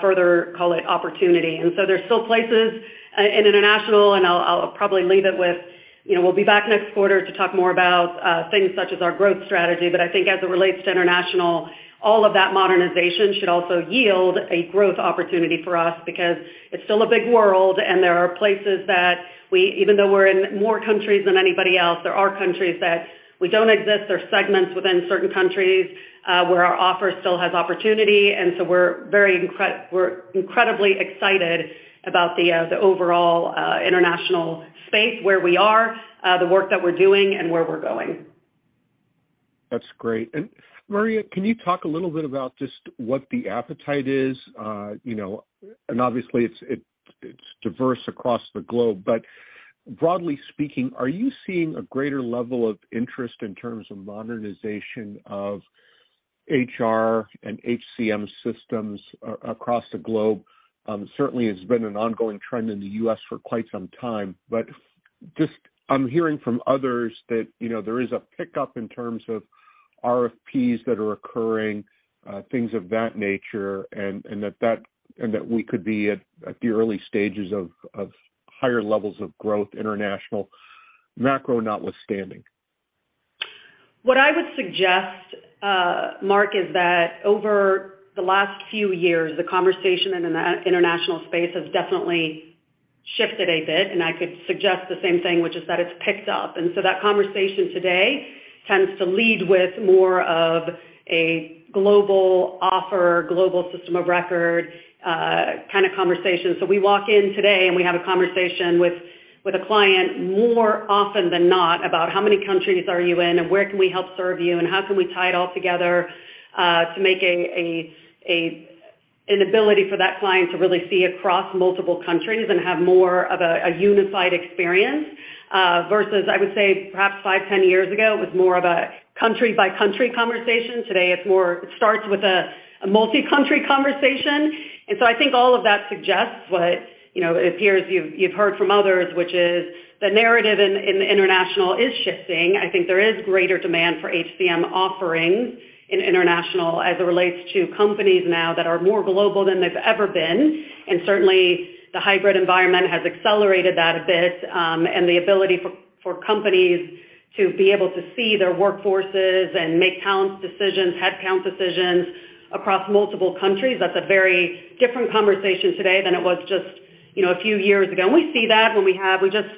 further, call it opportunity. There's still places in international, and I'll probably leave it with, you know, we'll be back next quarter to talk more about things such as our growth strategy. I think as it relates to international, all of that modernization should also yield a growth opportunity for us because it's still a big world, and there are places that we, even though we're in more countries than anybody else, there are countries that we don't exist. There are segments within certain countries where our offer still has opportunity. we're incredibly excited about the overall international space, where we are, the work that we're doing and where we're going. That's great. Maria, can you talk a little bit about just what the appetite is? You know, obviously it's diverse across the globe. Broadly speaking, are you seeing a greater level of interest in terms of modernization of HR and HCM systems across the globe? Certainly it's been an ongoing trend in the U.S. for quite some time, but just I'm hearing from others that, you know, there is a pickup in terms of RFPs that are occurring, things of that nature, and that we could be at the early stages of higher levels of growth, international macro notwithstanding. What I would suggest, Mark, is that over the last few years, the conversation in the international space has definitely shifted a bit. I could suggest the same thing, which is that it's picked up. That conversation today tends to lead with more of a global offer, global system of record, kind of conversation. We walk in today, and we have a conversation with a client more often than not about how many countries are you in, and where can we help serve you, and how can we tie it all together to make an ability for that client to really see across multiple countries and have more of a unified experience, versus, I would say, perhaps 5, 10 years ago, it was more of a country-by-country conversation. Today it starts with a multi-country conversation. I think all of that suggests what, you know, it appears you've heard from others, which is the narrative in the international is shifting. I think there is greater demand for HCM offerings in international as it relates to companies now that are more global than they've ever been. Certainly, the hybrid environment has accelerated that a bit, and the ability for companies to be able to see their workforces and make talent decisions, headcount decisions across multiple countries, that's a very different conversation today than it was just, you know, a few years ago. We see that when we just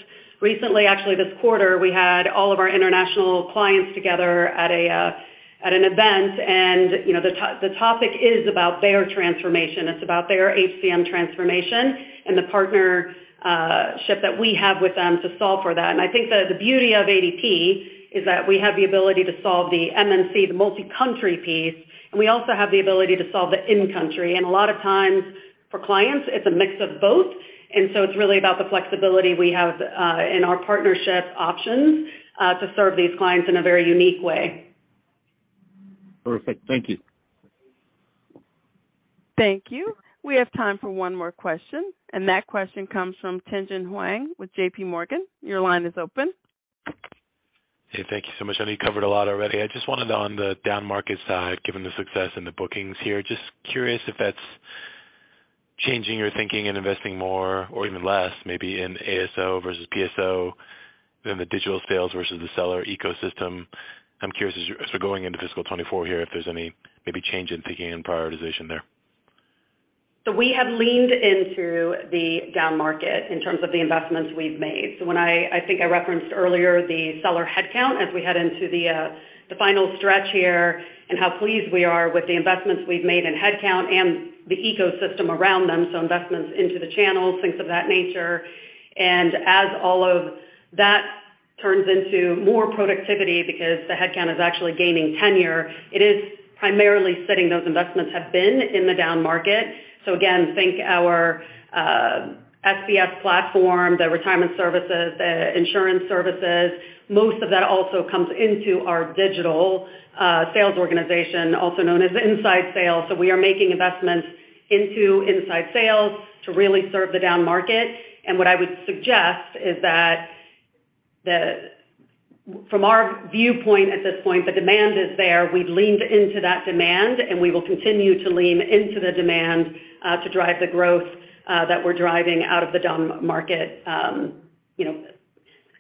recently, actually this quarter, we had all of our international clients together at an event. You know, the topic is about their transformation. It's about their HCM transformation and the partnership that we have with them to solve for that. I think the beauty of ADP is that we have the ability to solve the MMC, the multi-country piece, and we also have the ability to solve the in-country. A lot of times for clients, it's a mix of both. It's really about the flexibility we have in our partnership options to serve these clients in a very unique way. Perfect. Thank you. Thank you. We have time for one more question. That question comes from Tien-Tsin Huang with JPMorgan. Your line is open. Hey, thank you so much. I know you covered a lot already. I just wondered on the down market side, given the success in the bookings here, just curious if that's changing your thinking in investing more or even less, maybe in ASO versus PEO than the digital sales versus the seller ecosystem. I'm curious as you're going into fiscal 2024 here, if there's any maybe change in thinking and prioritization there. We have leaned into the down market in terms of the investments we've made. When I think I referenced earlier the seller headcount as we head into the final stretch here and how pleased we are with the investments we've made in headcount and the ecosystem around them, investments into the channels, things of that nature. As all of that turns into more productivity because the headcount is actually gaining tenure, it is primarily sitting. Those investments have been in the down market. Again, think our SBS platform, the retirement services, the insurance services, most of that also comes into our digital sales organization, also known as inside sales. We are making investments into inside sales to really serve the down market. What I would suggest is that from our viewpoint at this point, the demand is there. We've leaned into that demand, and we will continue to lean into the demand, to drive the growth, that we're driving out of the down market, you know,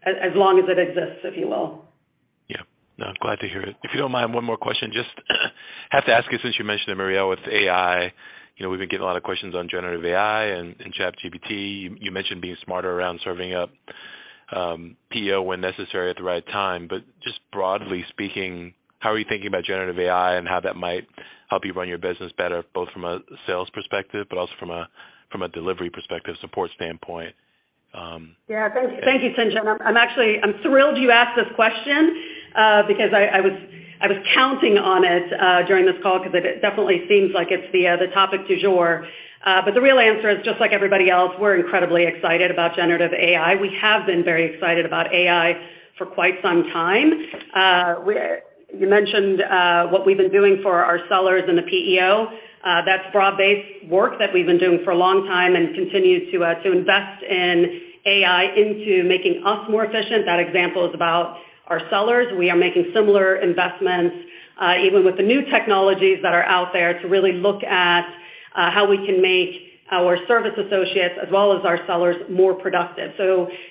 as long as it exists, if you will. Yeah. No, glad to hear it. If you don't mind, one more question. Just have to ask you since you mentioned it, Maria Black, with AI, you know, we've been getting a lot of questions on Generative AI and ChatGPT. You, you mentioned being smarter around serving up PEO when necessary at the right time. Just broadly speaking, how are you thinking about generative AI and how that might help you run your business better, both from a sales perspective, but also from a, from a delivery perspective support standpoint? Thank you, Tien-Tsin Huang. I'm thrilled you asked this question because I was counting on it during this call because it definitely seems like it's the topic du jour. The real answer is just like everybody else, we're incredibly excited about Generative AI. We have been very excited about AI for quite some time. You mentioned what we've been doing for our sellers in the PEO. That's broad-based work that we've been doing for a long time and continue to invest in AI into making us more efficient. That example is about our sellers. We are making similar investments, even with the new technologies that are out there, to really look at how we can make our service associates as well as our sellers more productive.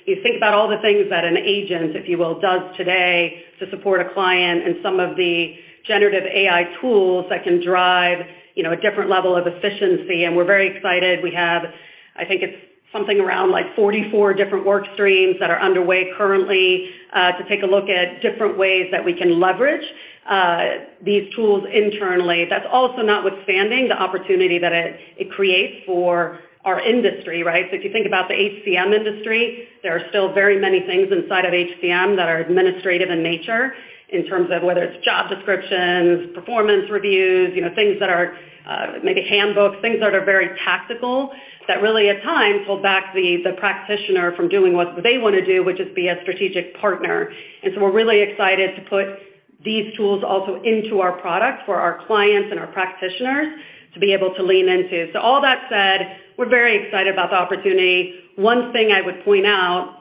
You think about all the things that an agent, if you will, does today to support a client and some of the Generative AI tools that can drive, you know, a different level of efficiency, and we're very excited. We have, I think it's something around like 44 different work streams that are underway currently, to take a look at different ways that we can leverage these tools internally. That's also notwithstanding the opportunity that it creates for our industry, right? If you think about the HCM industry, there are still very many things inside of HCM that are administrative in nature in terms of whether it's job descriptions, performance reviews, you know, things that are, maybe handbooks, things that are very tactical that really at times hold back the practitioner from doing what they wanna do, which is be a strategic partner. We're really excited to put these tools also into our product for our clients and our practitioners to be able to lean into. All that said, we're very excited about the opportunity. One thing I would point out,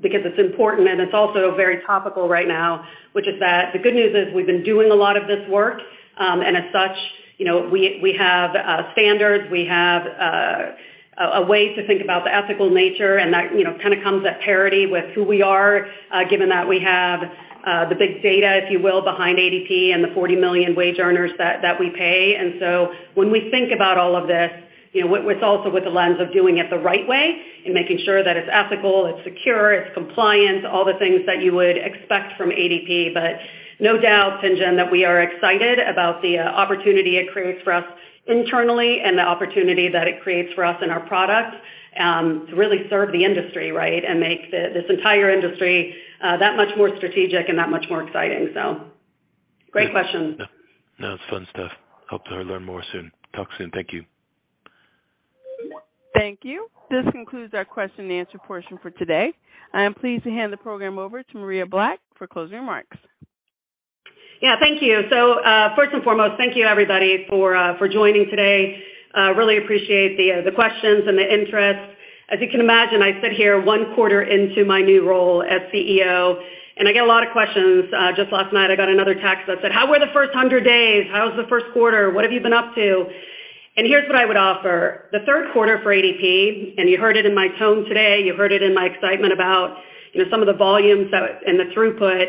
because it's important and it's also very topical right now, which is that the good news is we've been doing a lot of this work, and as such, you know, we have standards. We have a way to think about the ethical nature and that, you know, kind of comes at parity with who we are, given that we have the big data, if you will, behind ADP and the 40 million wage earners that we pay. When we think about all of this, you know, with also with the lens of doing it the right way and making sure that it's ethical, it's secure, it's compliant, all the things that you would expect from ADP. No doubt, Tingen, that we are excited about the opportunity it creates for us internally and the opportunity that it creates for us in our product to really serve the industry, right? Make this entire industry that much more strategic and that much more exciting. Great question. Yeah. No, it's fun stuff. Hope to learn more soon. Talk soon. Thank you. Thank you. This concludes our question and answer portion for today. I am pleased to hand the program over to Maria Black for closing remarks. Yeah. First and foremost, thank you everybody for joining today. Really appreciate the questions and the interest. As you can imagine, I sit here one quarter into my new role as CEO, and I get a lot of questions. Just last night I got another text that said, How were the first 100 days? How was the Q1? What have you been up to? Here's what I would offer. The Q3 for ADP, you heard it in my tone today, you heard it in my excitement about, you know, some of the volumes and the throughput,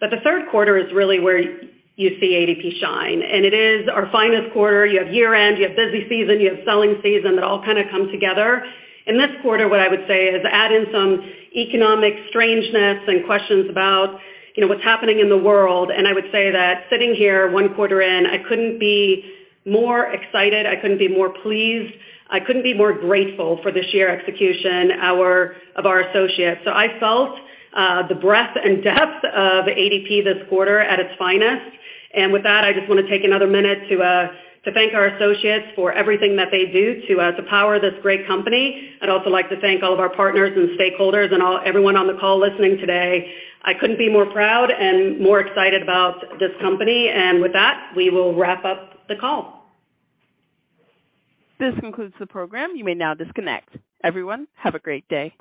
that the Q3 is really where you see ADP shine. It is our finest quarter. You have year-end, you have busy season, you have selling season that all kind of come together. In this quarter, what I would say is add in some economic strangeness and questions about, you know, what's happening in the world. I would say that sitting here 1 quarter in, I couldn't be more excited, I couldn't be more pleased, I couldn't be more grateful for the sheer execution of our associates. I felt the breadth and depth of ADP this quarter at its finest. With that, I just want to take another minute to thank our associates for everything that they do to power this great company. I'd also like to thank all of our partners and stakeholders and everyone on the call listening today. I couldn't be more proud and more excited about this company. With that, we will wrap up the call. This concludes the program. You may now disconnect. Everyone, have a great day.